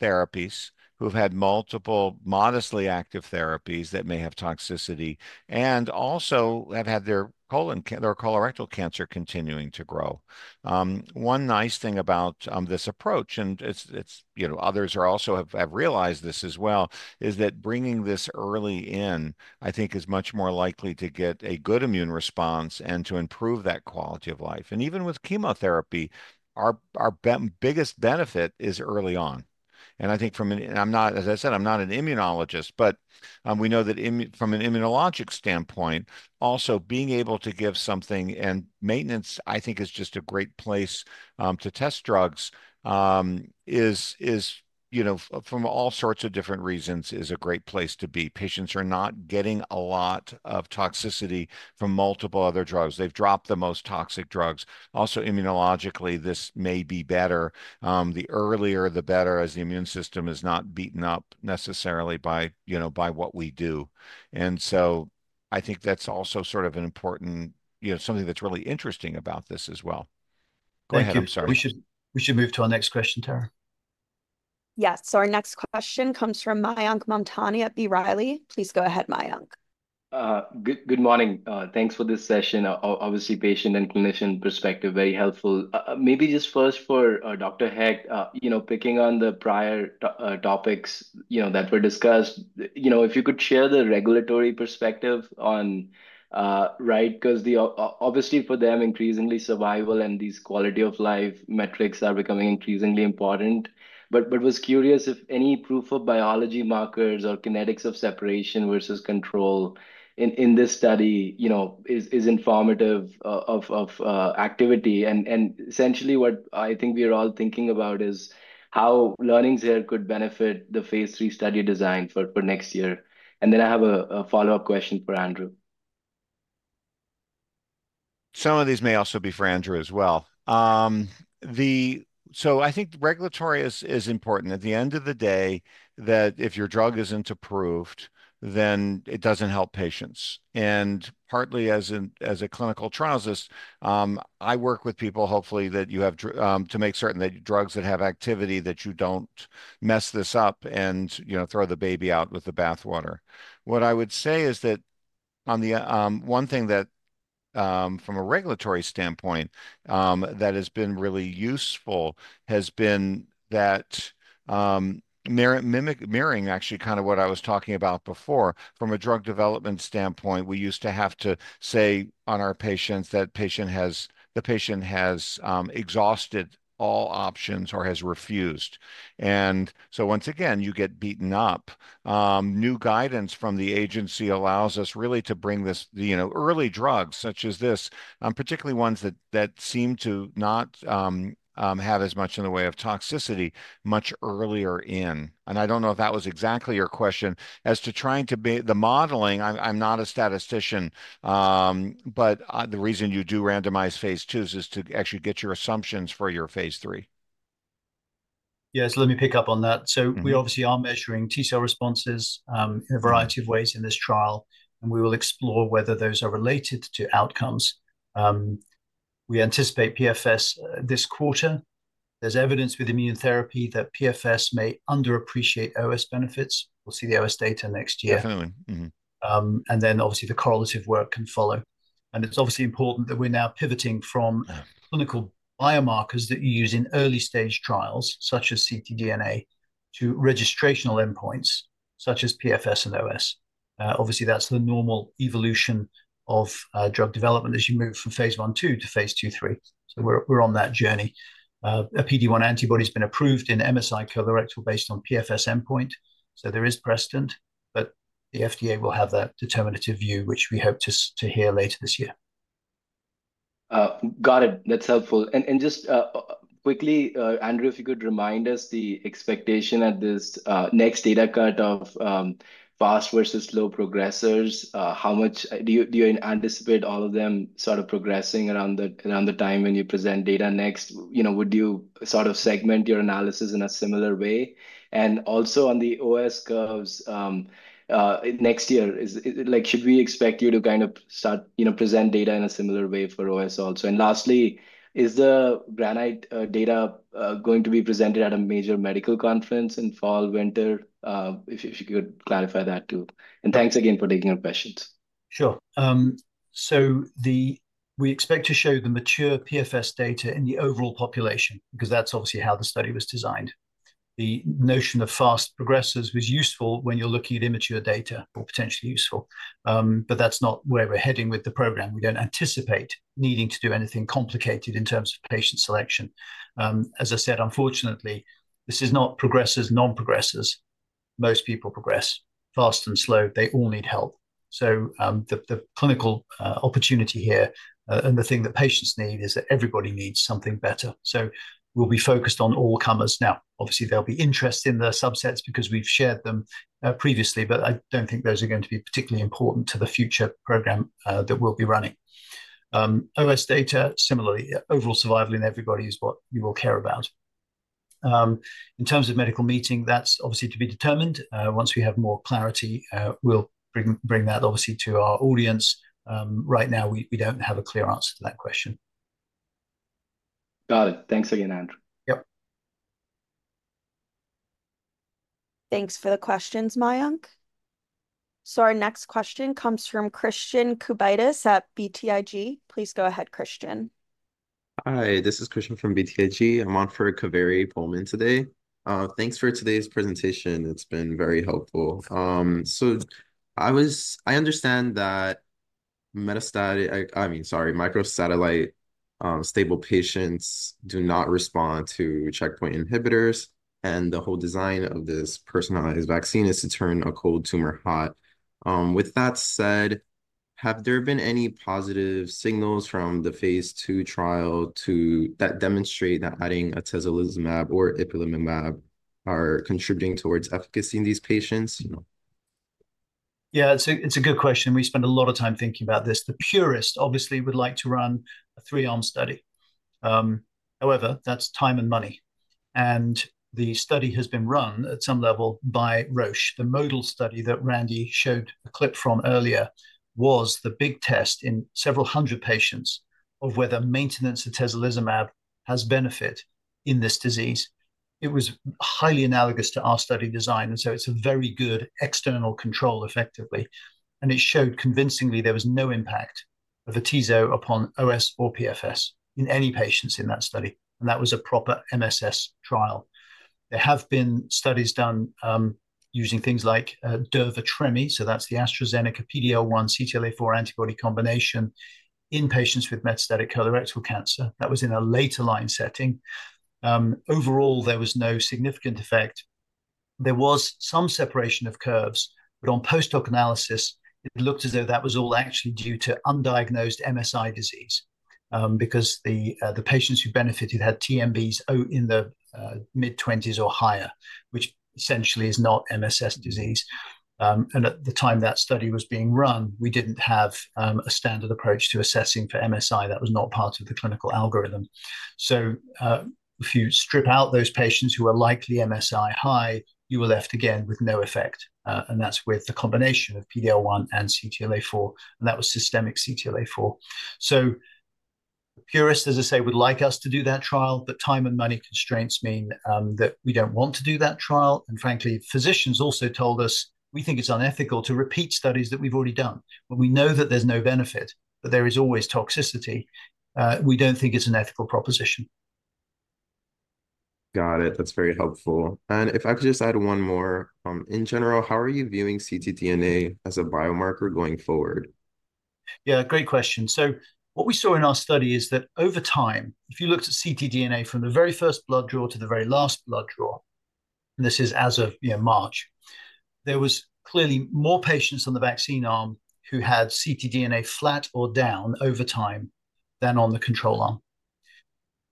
therapies, who've had multiple modestly active therapies that may have toxicity and also have had their colon cancer, their colorectal cancer continuing to grow. One nice thing about, this approach, and it's, it's, you know, others have also realized this as well, is that bringing this early in, I think is much more likely to get a good immune response and to improve that quality of life. And even with chemotherapy, our biggest benefit is early on. And I think from an... I'm not, as I said, I'm not an immunologist, but we know that from an immunologic standpoint, also being able to give something, and maintenance, I think, is just a great place to test drugs, you know, from all sorts of different reasons, is a great place to be. Patients are not getting a lot of toxicity from multiple other drugs. They've dropped the most toxic drugs. Also, immunologically, this may be better. The earlier, the better, as the immune system is not beaten up necessarily by, you know, by what we do. And so I think that's also sort of an important, you know, something that's really interesting about this as well. Go ahead. I'm sorry. Thank you. We should, we should move to our next question, Tara. Yes. So our next question comes from Mayank Mamtani at B. Riley. Please go ahead, Mayank. Good morning. Thanks for this session. Obviously, patient and clinician perspective, very helpful. Maybe just first for Dr. Hecht, you know, picking on the prior to topics, you know, that were discussed, you know, if you could share the regulatory perspective on, right, 'cause the obviously, for them, increasingly, survival and these quality of life metrics are becoming increasingly important. But was curious if any proof of biology markers or kinetics of separation versus control in this study, you know, is informative of activity. And essentially what I think we're all thinking about is how learnings here could benefit the phase III study design for next year. And then I have a follow-up question for Andrew. Some of these may also be for Andrew as well. So I think regulatory is important. At the end of the day, that if your drug isn't approved, then it doesn't help patients. And partly as a clinical trialist, I work with people, hopefully, that you have to make certain that drugs that have activity, that you don't mess this up and, you know, throw the baby out with the bathwater. What I would say is that on the one thing that from a regulatory standpoint that has been really useful has been that mirroring actually kind of what I was talking about before, from a drug development standpoint, we used to have to say on our patients, that the patient has exhausted all options or has refused. And so once again, you get beaten up. New guidance from the agency allows us really to bring this, you know, early drugs, such as this, particularly ones that, that seem to not have as much in the way of toxicity much earlier in. I don't know if that was exactly your question. As to trying to build the modeling, I'm not a statistician, but the reason you do randomized phase IIs is to actually get your assumptions for your phase III.... Yes, let me pick up on that. So we obviously are measuring T cell responses in a variety of ways in this trial, and we will explore whether those are related to outcomes. We anticipate PFS this quarter. There's evidence with immune therapy that PFS may underappreciate OS benefits. We'll see the OS data next year. Definitely. Mm-hmm. And then, obviously, the correlative work can follow. It's obviously important that we're now pivoting from- Yeah Clinical biomarkers that you use in early-stage trials, such as ctDNA, to registrational endpoints, such as PFS and OS. Obviously, that's the normal evolution of drug development as you move from phase I/II to phase II/III. So we're on that journey. A PD-1 antibody's been approved in MSI colorectal based on PFS endpoint, so there is precedent, but the FDA will have that determinative view, which we hope to hear later this year. Got it. That's helpful. And just quickly, Andrew, if you could remind us the expectation at this next data cut of fast versus slow progressors. How much... Do you anticipate all of them sort of progressing around the time when you present data next? You know, would you sort of segment your analysis in a similar way? And also, on the OS curves next year, is—like, should we expect you to kind of start, you know, present data in a similar way for OS also? And lastly, is the GRANITE data going to be presented at a major medical conference in fall, winter? If you could clarify that, too. And thanks again for taking our questions. Sure. So we expect to show the mature PFS data in the overall population, because that's obviously how the study was designed. The notion of fast progressors was useful when you're looking at immature data, or potentially useful, but that's not where we're heading with the program. We don't anticipate needing to do anything complicated in terms of patient selection. As I said, unfortunately, this is not progressors, non-progressors. Most people progress. Fast and slow, they all need help. So, the clinical opportunity here, and the thing that patients need, is that everybody needs something better. So we'll be focused on all comers. Now, obviously, there'll be interest in the subsets because we've shared them previously, but I don't think those are going to be particularly important to the future program that we'll be running. OS data, similarly, overall survival in everybody is what you will care about. In terms of medical meeting, that's obviously to be determined. Once we have more clarity, we'll bring that obviously to our audience. Right now, we don't have a clear answer to that question. Got it. Thanks again, Andrew. Yep. Thanks for the questions, Mayank. So our next question comes from Christian Kubasik at BTIG. Please go ahead, Christian. Hi, this is Christian from BTIG. I'm on for Kaveri Pohlman today. Thanks for today's presentation. It's been very helpful. I understand that microsatellite stable patients do not respond to checkpoint inhibitors, and the whole design of this personalized vaccine is to turn a cold tumor hot. With that said, have there been any positive signals from the phase II trial that demonstrate that adding atezolizumab or ipilimumab are contributing towards efficacy in these patients? You know. Yeah, it's a good question. We spend a lot of time thinking about this. The purist obviously would like to run a three-arm study. However, that's time and money, and the study has been run at some level by Roche. The MODUL study that Randy showed a clip from earlier was the big test in several hundred patients of whether maintenance atezolizumab has benefit in this disease. It was highly analogous to our study design, and so it's a very good external control, effectively. And it showed convincingly there was no impact of atezo upon OS or PFS in any patients in that study, and that was a proper MSS trial. There have been studies done using things like durva/tremi, so that's the AstraZeneca PD-L1 CTLA-4 antibody combination, in patients with metastatic colorectal cancer. That was in a later line setting. Overall, there was no significant effect. There was some separation of curves, but on post-hoc analysis, it looked as though that was all actually due to undiagnosed MSI disease, because the patients who benefited had TMBs in the mid-twenties or higher, which essentially is not MSS disease. And at the time that study was being run, we didn't have a standard approach to assessing for MSI. That was not part of the clinical algorithm. So, if you strip out those patients who are likely MSI high, you are left again with no effect, and that's with the combination of PD-L1 and CTLA-4, and that was systemic CTLA-4. So the purist, as I say, would like us to do that trial, but time and money constraints mean that we don't want to do that trial. Frankly, physicians also told us, "We think it's unethical to repeat studies that we've already done. When we know that there's no benefit, but there is always toxicity, we don't think it's an ethical proposition. Got it. That's very helpful. And if I could just add one more, in general, how are you viewing ctDNA as a biomarker going forward? Yeah, great question. So what we saw in our study is that over time, if you looked at ctDNA from the very first blood draw to the very last blood draw, and this is as of, you know, March, there was clearly more patients on the vaccine arm who had ctDNA flat or down over time than on the control arm.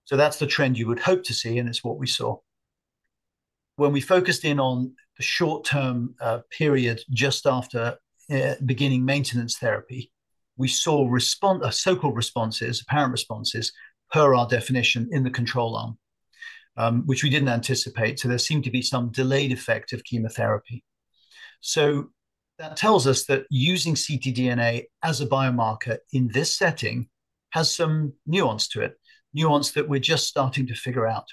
So that's the trend you would hope to see, and it's what we saw.... When we focused in on the short-term period just after beginning maintenance therapy, we saw response- so-called responses, apparent responses, per our definition in the control arm, which we didn't anticipate, so there seemed to be some delayed effect of chemotherapy. So that tells us that using ctDNA as a biomarker in this setting has some nuance to it, nuance that we're just starting to figure out.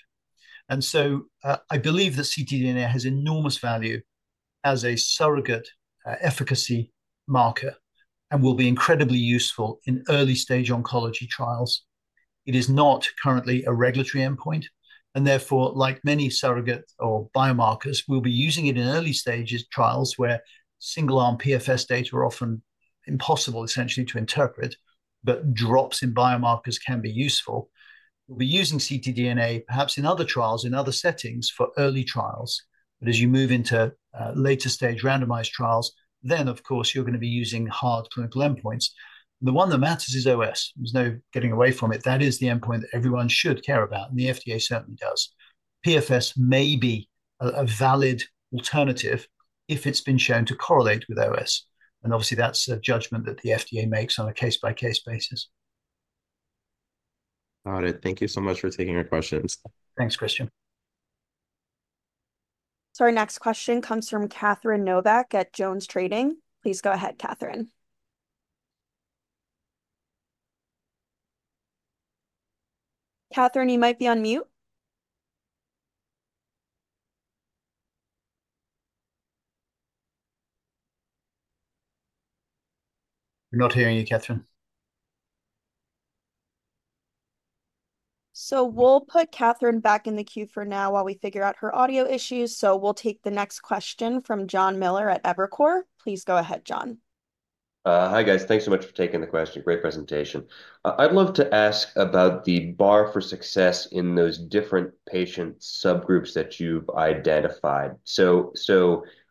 And so, I believe that ctDNA has enormous value as a surrogate, efficacy marker and will be incredibly useful in early-stage oncology trials. It is not currently a regulatory endpoint, and therefore, like many surrogate or biomarkers, we'll be using it in early stages trials, where single-arm PFS data are often impossible, essentially, to interpret, but drops in biomarkers can be useful. We'll be using ctDNA, perhaps in other trials, in other settings, for early trials. But as you move into, later-stage randomized trials, then, of course, you're gonna be using hard clinical endpoints. The one that matters is OS. There's no getting away from it. That is the endpoint that everyone should care about, and the FDA certainly does. PFS may be a valid alternative if it's been shown to correlate with OS, and obviously, that's a judgment that the FDA makes on a case-by-case basis. Got it. Thank you so much for taking our questions. Thanks, Christian. Our next question comes from Catherine Novack at JonesTrading. Please go ahead, Catherine. Catherine, you might be on mute. We're not hearing you, Catherine. So we'll put Catherine back in the queue for now while we figure out her audio issues. So we'll take the next question from John Miller at Evercore. Please go ahead, John. Hi, guys. Thanks so much for taking the question. Great presentation. I'd love to ask about the bar for success in those different patient subgroups that you've identified. So,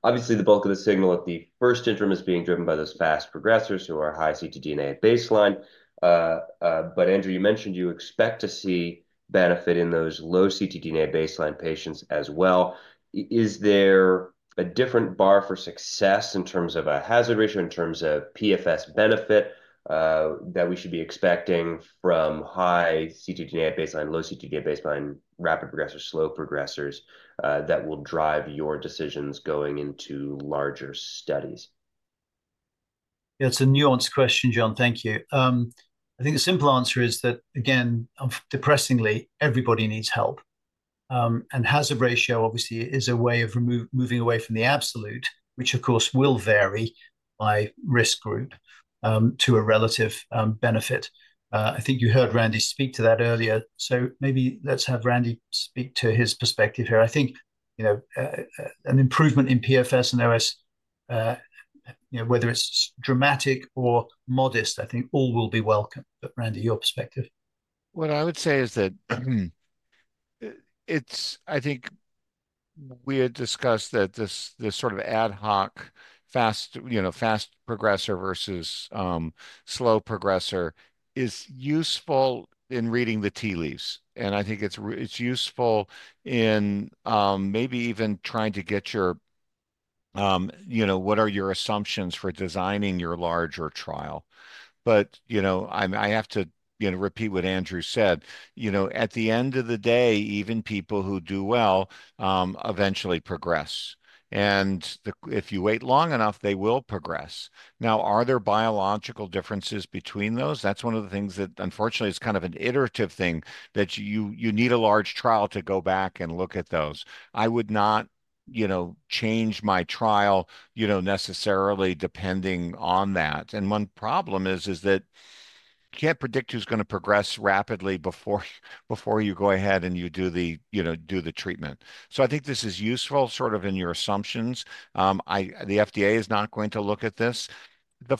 obviously, the bulk of the signal at the first interim is being driven by those fast progressors who are high ctDNA at baseline. But Andrew, you mentioned you expect to see benefit in those low ctDNA baseline patients as well. Is there a different bar for success in terms of a hazard ratio, in terms of PFS benefit, that we should be expecting from high ctDNA at baseline, low ctDNA baseline, rapid progressors, slow progressors, that will drive your decisions going into larger studies? Yeah, it's a nuanced question, John. Thank you. I think the simple answer is that, again, depressingly, everybody needs help. And hazard ratio, obviously, is a way of moving away from the absolute, which, of course, will vary by risk group, to a relative, benefit. I think you heard Randy speak to that earlier, so maybe let's have Randy speak to his perspective here. I think, you know, an improvement in PFS and OS, you know, whether it's dramatic or modest, I think all will be welcome. But Randy, your perspective. What I would say is that, it's I think we had discussed that this, this sort of ad hoc, fast, you know, fast progressor versus, slow progressor is useful in reading the tea leaves. And I think it's useful in, maybe even trying to get your, you know, what are your assumptions for designing your larger trial? But, you know, I have to, you know, repeat what Andrew said. You know, at the end of the day, even people who do well, eventually progress, and if you wait long enough, they will progress. Now, are there biological differences between those? That's one of the things that, unfortunately, it's kind of an iterative thing, that you need a large trial to go back and look at those. I would not, you know, change my trial, you know, necessarily depending on that. One problem is that you can't predict who's gonna progress rapidly before you go ahead and you do the, you know, do the treatment. So I think this is useful, sort of in your assumptions. The FDA is not going to look at this. The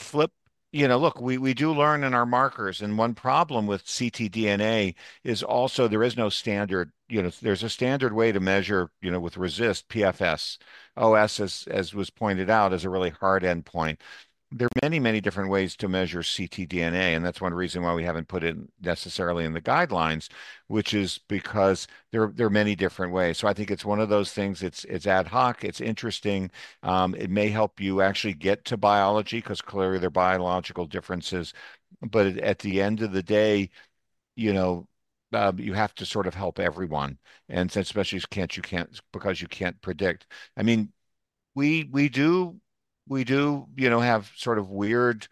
flip- you know, look, we do learn in our markers, and one problem with ctDNA is also there is no standard. You know, there's a standard way to measure, you know, with RECIST PFS. OS, as was pointed out, is a really hard endpoint. There are many, many different ways to measure ctDNA, and that's one reason why we haven't put it necessarily in the guidelines, which is because there are many different ways. So I think it's one of those things, it's ad hoc, it's interesting. It may help you actually get to biology, 'cause clearly there are biological differences. But at the end of the day, you know, you have to sort of help everyone, and so especially you can't, you can't, because you can't predict. I mean, we, we do, you know, have sort of weird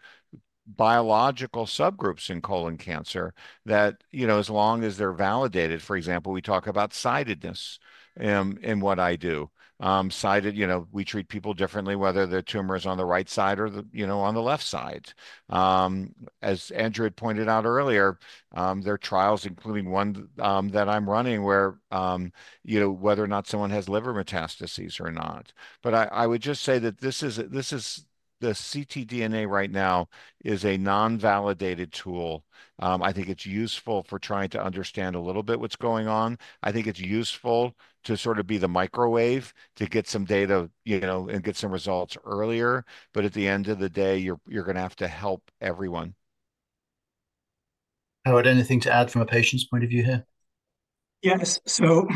biological subgroups in colon cancer that, you know, as long as they're validated. For example, we talk about sidedness, in what I do. Sided, you know, we treat people differently, whether the tumor is on the right side or the, you know, on the left side. As Andrew had pointed out earlier, there are trials, including one, that I'm running, where, you know, whether or not someone has liver metastases or not. But I would just say that this is the ctDNA right now is a non-validated tool. I think it's useful for trying to understand a little bit what's going on. I think it's useful to sort of be the microwave to get some data, you know, and get some results earlier. But at the end of the day, you're gonna have to help everyone.... Howard, anything to add from a patient's point of view here? Yes. So,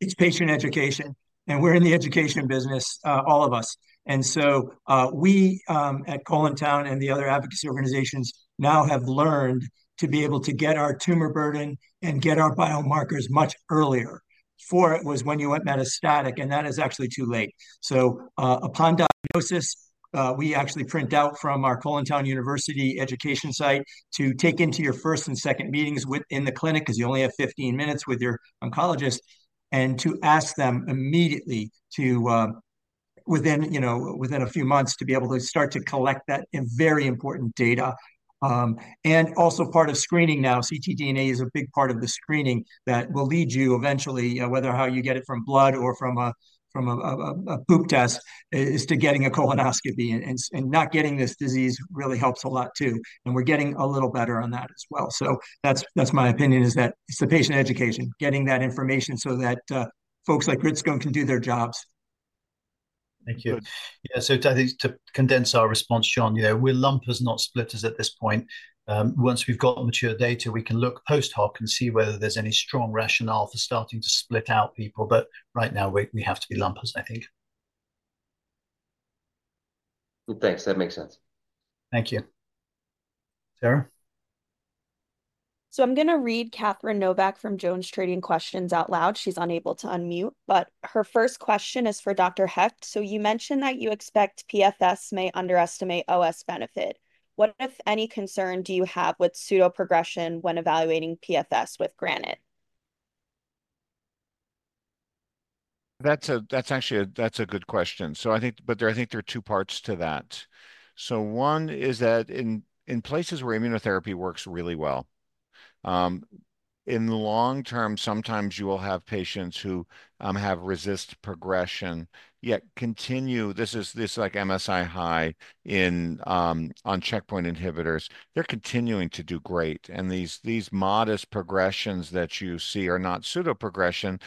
it's patient education, and we're in the education business, all of us. And so, we at ColonTown and the other advocacy organizations now have learned to be able to get our tumor burden and get our biomarkers much earlier. Before, it was when you went metastatic, and that is actually too late. So, upon diagnosis, we actually print out from our ColonTown University education site to take into your first and second meetings within the clinic, because you only have 15 minutes with your oncologist, and to ask them immediately to, within, you know, within a few months, to be able to start to collect that in very important data. And also part of screening now, ctDNA is a big part of the screening that will lead you eventually, whether how you get it from blood or from a poop test, is to getting a colonoscopy. And not getting this disease really helps a lot, too, and we're getting a little better on that as well. So that's my opinion, is that it's the patient education, getting that information so that folks like Gritstone can do their jobs. Thank you. Yeah, so I think to condense our response, John, you know, we're lumpers, not splitters, at this point. Once we've got mature data, we can look post-hoc and see whether there's any strong rationale for starting to split out people. But right now, we have to be lumpers, I think. Well, thanks. That makes sense. Thank you. Tara? So I'm going to read Catherine Novack from JonesTrading questions out loud. She's unable to unmute, but her first question is for Dr. Hecht. So you mentioned that you expect PFS may underestimate OS benefit. What, if any, concern do you have with pseudo progression when evaluating PFS with GRANITE? That's actually a good question. So I think there are two parts to that. So one is that in places where immunotherapy works really well, in the long term, sometimes you will have patients who have resisted progression, yet continue. This is like MSI-high in on checkpoint inhibitors. They're continuing to do great, and these modest progressions that you see are not pseudo-progression,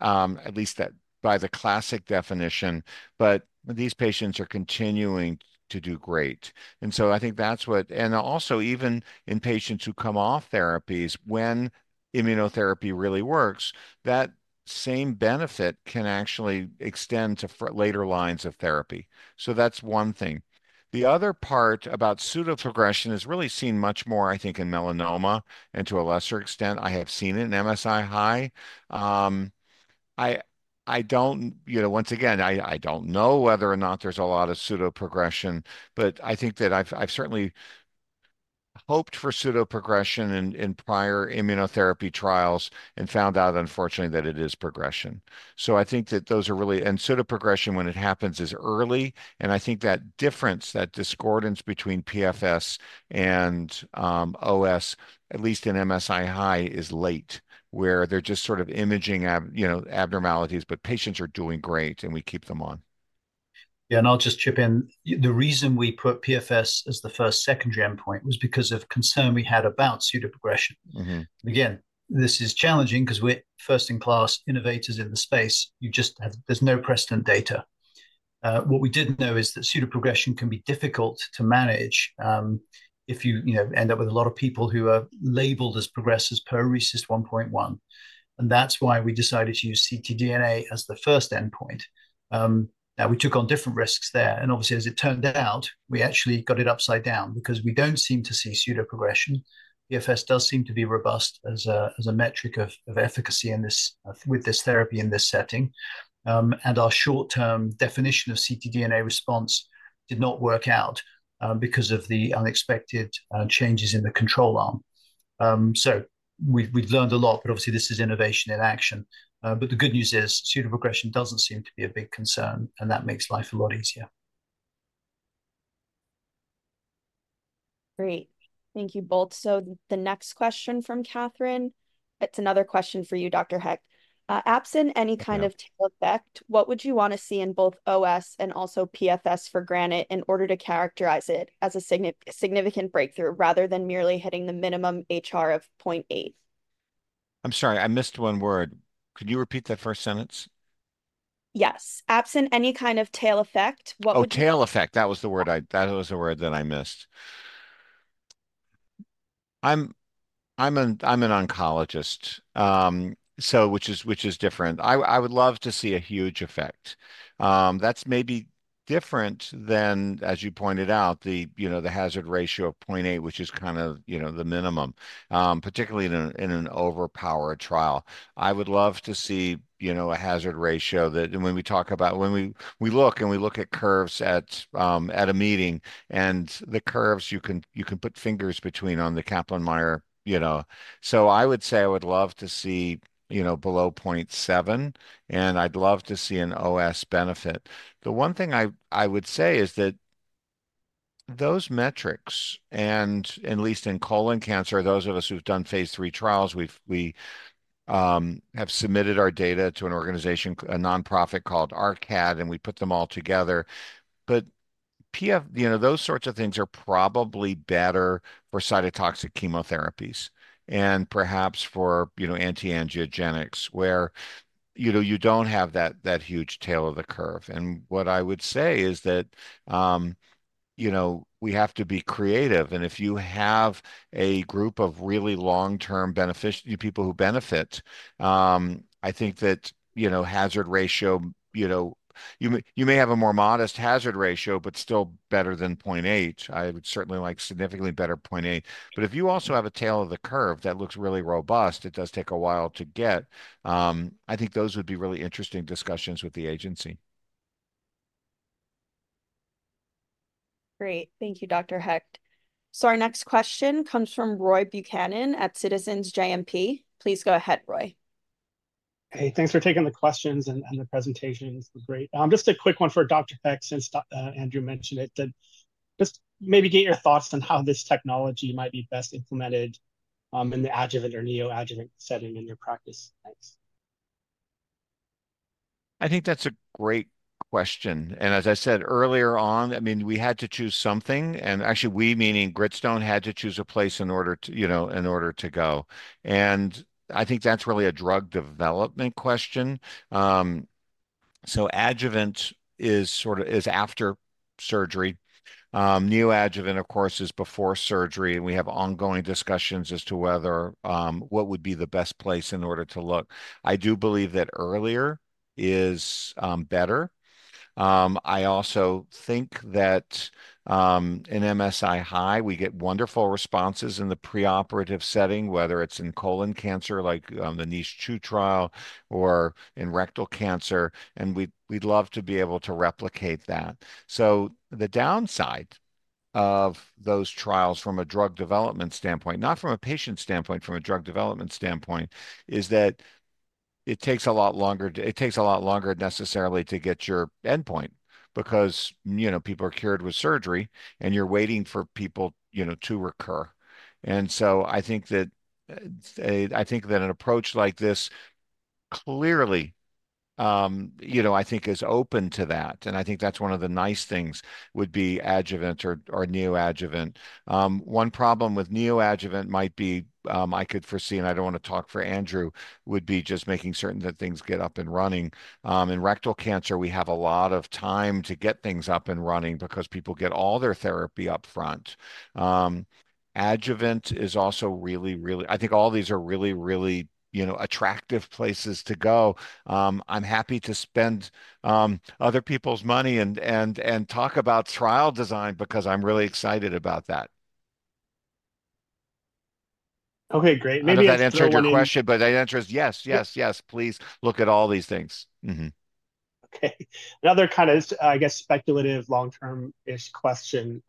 at least that by the classic definition, but these patients are continuing to do great. And so I think that's what. And also, even in patients who come off therapies, when immunotherapy really works, that same benefit can actually extend to later lines of therapy. So that's one thing. The other part about pseudo-progression is really seen much more, I think, in melanoma, and to a lesser extent, I have seen it in MSI-high. I don't, you know, once again, I don't know whether or not there's a lot of pseudo-progression, but I think that I've certainly hoped for pseudo-progression in prior immunotherapy trials and found out, unfortunately, that it is progression. So I think that those are really... And pseudo-progression, when it happens, is early, and I think that difference, that discordance between PFS and OS, at least in MSI-high, is late, where they're just sort of imaging abnormalities, you know, but patients are doing great, and we keep them on. Yeah, and I'll just chip in. The reason we put PFS as the first secondary endpoint was because of concern we had about pseudo-progression. Mm-hmm. Again, this is challenging because we're first-in-class innovators in the space. You just have—There's no precedent data. What we did know is that pseudo-progression can be difficult to manage, if you, you know, end up with a lot of people who are labeled as progressors per RECIST 1.1, and that's why we decided to use ctDNA as the first endpoint. Now, we took on different risks there, and obviously, as it turned out, we actually got it upside down because we don't seem to see pseudo-progression. PFS does seem to be robust as a metric of efficacy in this, with this therapy, in this setting. And our short-term definition of ctDNA response did not work out, because of the unexpected changes in the control arm. So we've learned a lot, but obviously, this is innovation in action. But the good news is, pseudo-progression doesn't seem to be a big concern, and that makes life a lot easier. Great. Thank you both. The next question from Catherine, it's another question for you, Dr. Hecht. Absent any kind of- Yeah... tail effect, what would you want to see in both OS and also PFS for GRANITE in order to characterize it as a significant breakthrough, rather than merely hitting the minimum HR of 0.8? I'm sorry, I missed one word. Could you repeat that first sentence? Yes. Absent any kind of tail effect, what would- Oh, tail effect, that was the word I missed. I'm an oncologist, so which is different. I would love to see a huge effect. That's maybe different than, as you pointed out, you know, the hazard ratio of 0.8, which is kind of, you know, the minimum, particularly in an overpower trial. I would love to see, you know, a hazard ratio that. And when we talk about when we look at curves at a meeting, and the curves, you can put fingers between on the Kaplan-Meier, you know. So I would say I would love to see, you know, below 0.7, and I'd love to see an OS benefit. The one thing I would say is that those metrics, and at least in colon cancer, those of us who've done phase III trials, we have submitted our data to an organization, a nonprofit called ARCAD, and we put them all together. But PFS, you know, those sorts of things are probably better for cytotoxic chemotherapies and perhaps for, you know, anti-angiogenics, where, you know, you don't have that huge tail of the curve. And what I would say is that, you know, we have to be creative, and if you have a group of really long-term beneficiaries people who benefit, I think that, you know, hazard ratio, you know, you may have a more modest hazard ratio, but still better than 0.8. I would certainly like significantly better 0.8. But if you also have a tail of the curve that looks really robust, it does take a while to get. I think those would be really interesting discussions with the agency. Great. Thank you, Dr. Hecht. So our next question comes from Roy Buchanan at Citizens JMP. Please go ahead, Roy. Hey, thanks for taking the questions, and the presentation was great. Just a quick one for Dr. Hecht, since Andrew mentioned it, that just maybe get your thoughts on how this technology might be best implemented, in the adjuvant or neoadjuvant setting in your practice. Thanks. I think that's a great question. And as I said earlier on, I mean, we had to choose something, and actually, we, meaning Gritstone, had to choose a place in order to, you know, in order to go. And I think that's really a drug development question. So adjuvant is after surgery. Neoadjuvant, of course, is before surgery, and we have ongoing discussions as to whether what would be the best place in order to look. I do believe that earlier is better. I also think that in MSI-high, we get wonderful responses in the preoperative setting, whether it's in colon cancer, like the NICHE-2 trial or in rectal cancer, and we'd love to be able to replicate that. So the downside of those trials from a drug development standpoint, not from a patient standpoint, from a drug development standpoint, is that it takes a lot longer, it takes a lot longer necessarily to get your endpoint because, you know, people are cured with surgery, and you're waiting for people, you know, to recur. And so I think that I think that an approach like this clearly, you know, I think is open to that, and I think that's one of the nice things, would be adjuvant or, or neoadjuvant. One problem with neoadjuvant might be, I could foresee, and I don't want to talk for Andrew, would be just making certain that things get up and running. In rectal cancer, we have a lot of time to get things up and running because people get all their therapy up front. Adjuvant is also really, really... I think all these are really, really, you know, attractive places to go. I'm happy to spend other people's money and talk about trial design because I'm really excited about that. Okay, great. Maybe- I don't know if that answered your question, but the answer is yes. Yes, yes, please look at all these things. Mm-hmm. Okay. Another kind of, I guess, speculative long-term-ish question.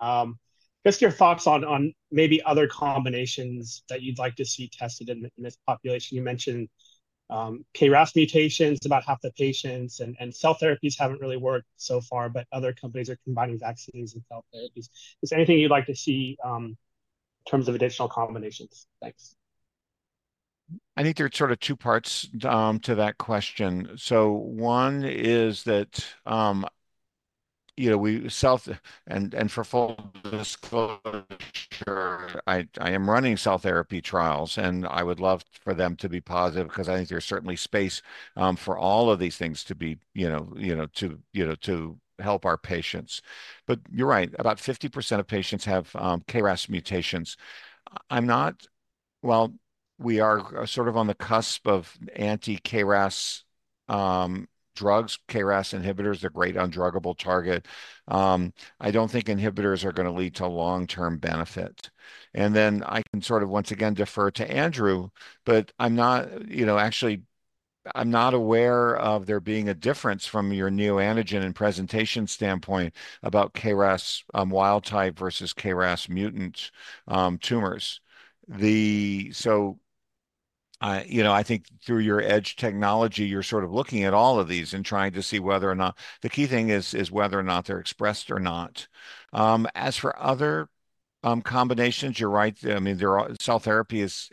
Just your thoughts on maybe other combinations that you'd like to see tested in this population. You mentioned KRAS mutations, about half the patients, and cell therapies haven't really worked so far, but other companies are combining vaccines and cell therapies. Is there anything you'd like to see in terms of additional combinations? Thanks. I think there are sort of two parts to that question. So one is that, you know. And for full disclosure, I am running cell therapy trials, and I would love for them to be positive because I think there's certainly space for all of these things to be, you know, you know, to, you know, to help our patients. But you're right, about 50% of patients have KRAS mutations. I'm not. Well, we are sort of on the cusp of anti-KRAS drugs. KRAS inhibitors are a great undruggable target. I don't think inhibitors are gonna lead to long-term benefit. And then I can sort of once again defer to Andrew, but I'm not, you know, actually, I'm not aware of there being a difference from your neoantigen and presentation standpoint about KRAS wild type versus KRAS mutant tumors. So, you know, I think through your EDGE technology, you're sort of looking at all of these and trying to see whether or not the key thing is whether or not they're expressed or not. As for other combinations, you're right. I mean, there are cell therapy is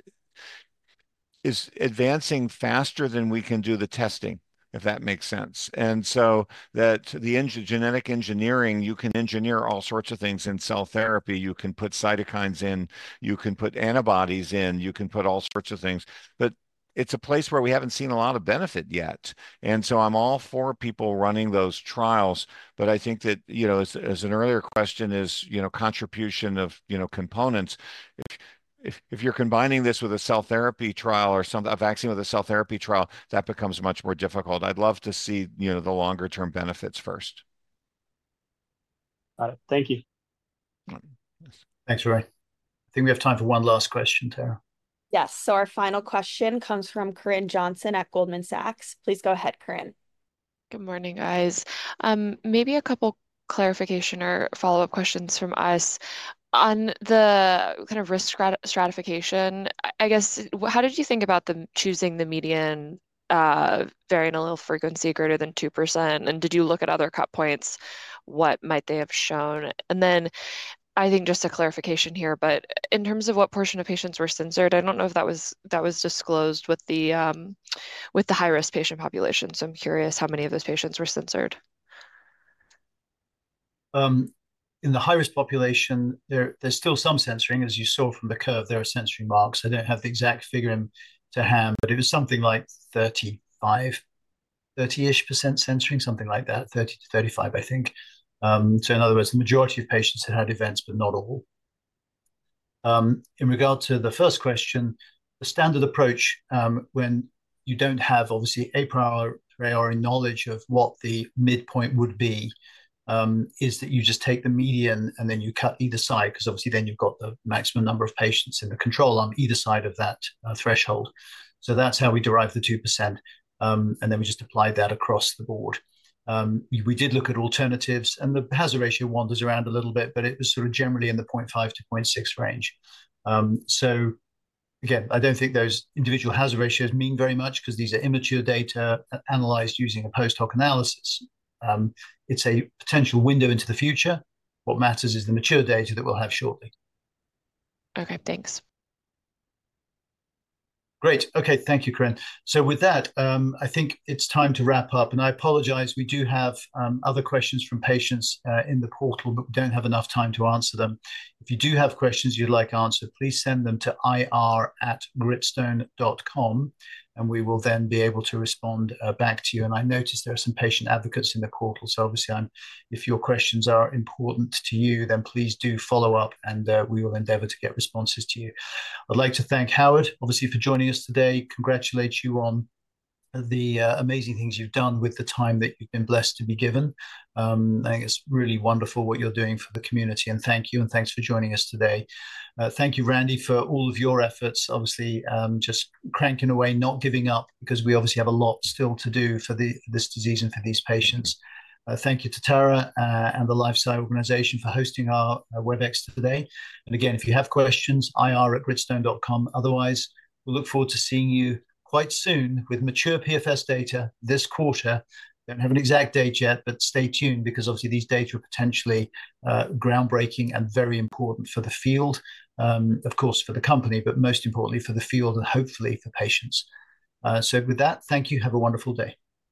advancing faster than we can do the testing, if that makes sense. And so that the genetic engineering, you can engineer all sorts of things in cell therapy. You can put cytokines in, you can put antibodies in, you can put all sorts of things, but it's a place where we haven't seen a lot of benefit yet. And so I'm all for people running those trials, but I think that, you know, as an earlier question is, you know, contribution of, you know, components, if you're combining this with a cell therapy trial or a vaccine with a cell therapy trial, that becomes much more difficult. I'd love to see, you know, the longer-term benefits first. Got it. Thank you. Thanks, Roy. I think we have time for one last question, Tara. Yes. So our final question comes from Corinne Jenkins at Goldman Sachs. Please go ahead, Corinne. Good morning, guys. Maybe a couple clarification or follow-up questions from us. On the kind of risk stratification, I guess, how did you think about the choosing the median, variant allele frequency greater than 2%, and did you look at other cut points? What might they have shown? And then I think just a clarification here, but in terms of what portion of patients were censored, I don't know if that was, that was disclosed with the, with the high-risk patient population, so I'm curious how many of those patients were censored. In the high-risk population, there, there's still some censoring, as you saw from the curve, there are censoring marks. I don't have the exact figure to hand, but it was something like 35.... 30-ish% censoring, something like that, 30%-35%, I think. So in other words, the majority of patients had had events, but not all. In regard to the first question, the standard approach, when you don't have obviously, a priori knowledge of what the midpoint would be, is that you just take the median, and then you cut either side, because obviously, then you've got the maximum number of patients in the control on either side of that, threshold. So that's how we derive the 2%, and then we just apply that across the board. We did look at alternatives, and the Hazard Ratio wanders around a little bit, but it was sort of generally in the 0.5-0.6 range. So again, I don't think those individual hazard ratios mean very much because these are immature data analyzed using a post-hoc analysis. It's a potential window into the future. What matters is the mature data that we'll have shortly. Okay, thanks. Great! Okay, thank you, Corinne. So with that, I think it's time to wrap up, and I apologize. We do have other questions from patients in the portal, but we don't have enough time to answer them. If you do have questions you'd like answered, please send them to ir@gritstone.com, and we will then be able to respond back to you. And I noticed there are some patient advocates in the portal, so obviously, I'm if your questions are important to you, then please do follow up and we will endeavor to get responses to you. I'd like to thank Howard, obviously, for joining us today, congratulate you on the amazing things you've done with the time that you've been blessed to be given. I think it's really wonderful what you're doing for the community, and thank you, and thanks for joining us today. Thank you, Randy, for all of your efforts, obviously, just cranking away, not giving up, because we obviously have a lot still to do for the, this disease and for these patients. Thank you to Tara, and the LifeSci Advisors for hosting our Webex today. And again, if you have questions, ir@gritstone.com. Otherwise, we look forward to seeing you quite soon with mature PFS data this quarter. Don't have an exact date yet, but stay tuned, because obviously, these data are potentially, groundbreaking and very important for the field. Of course, for the company, but most importantly, for the field and hopefully for patients. So with that, thank you. Have a wonderful day.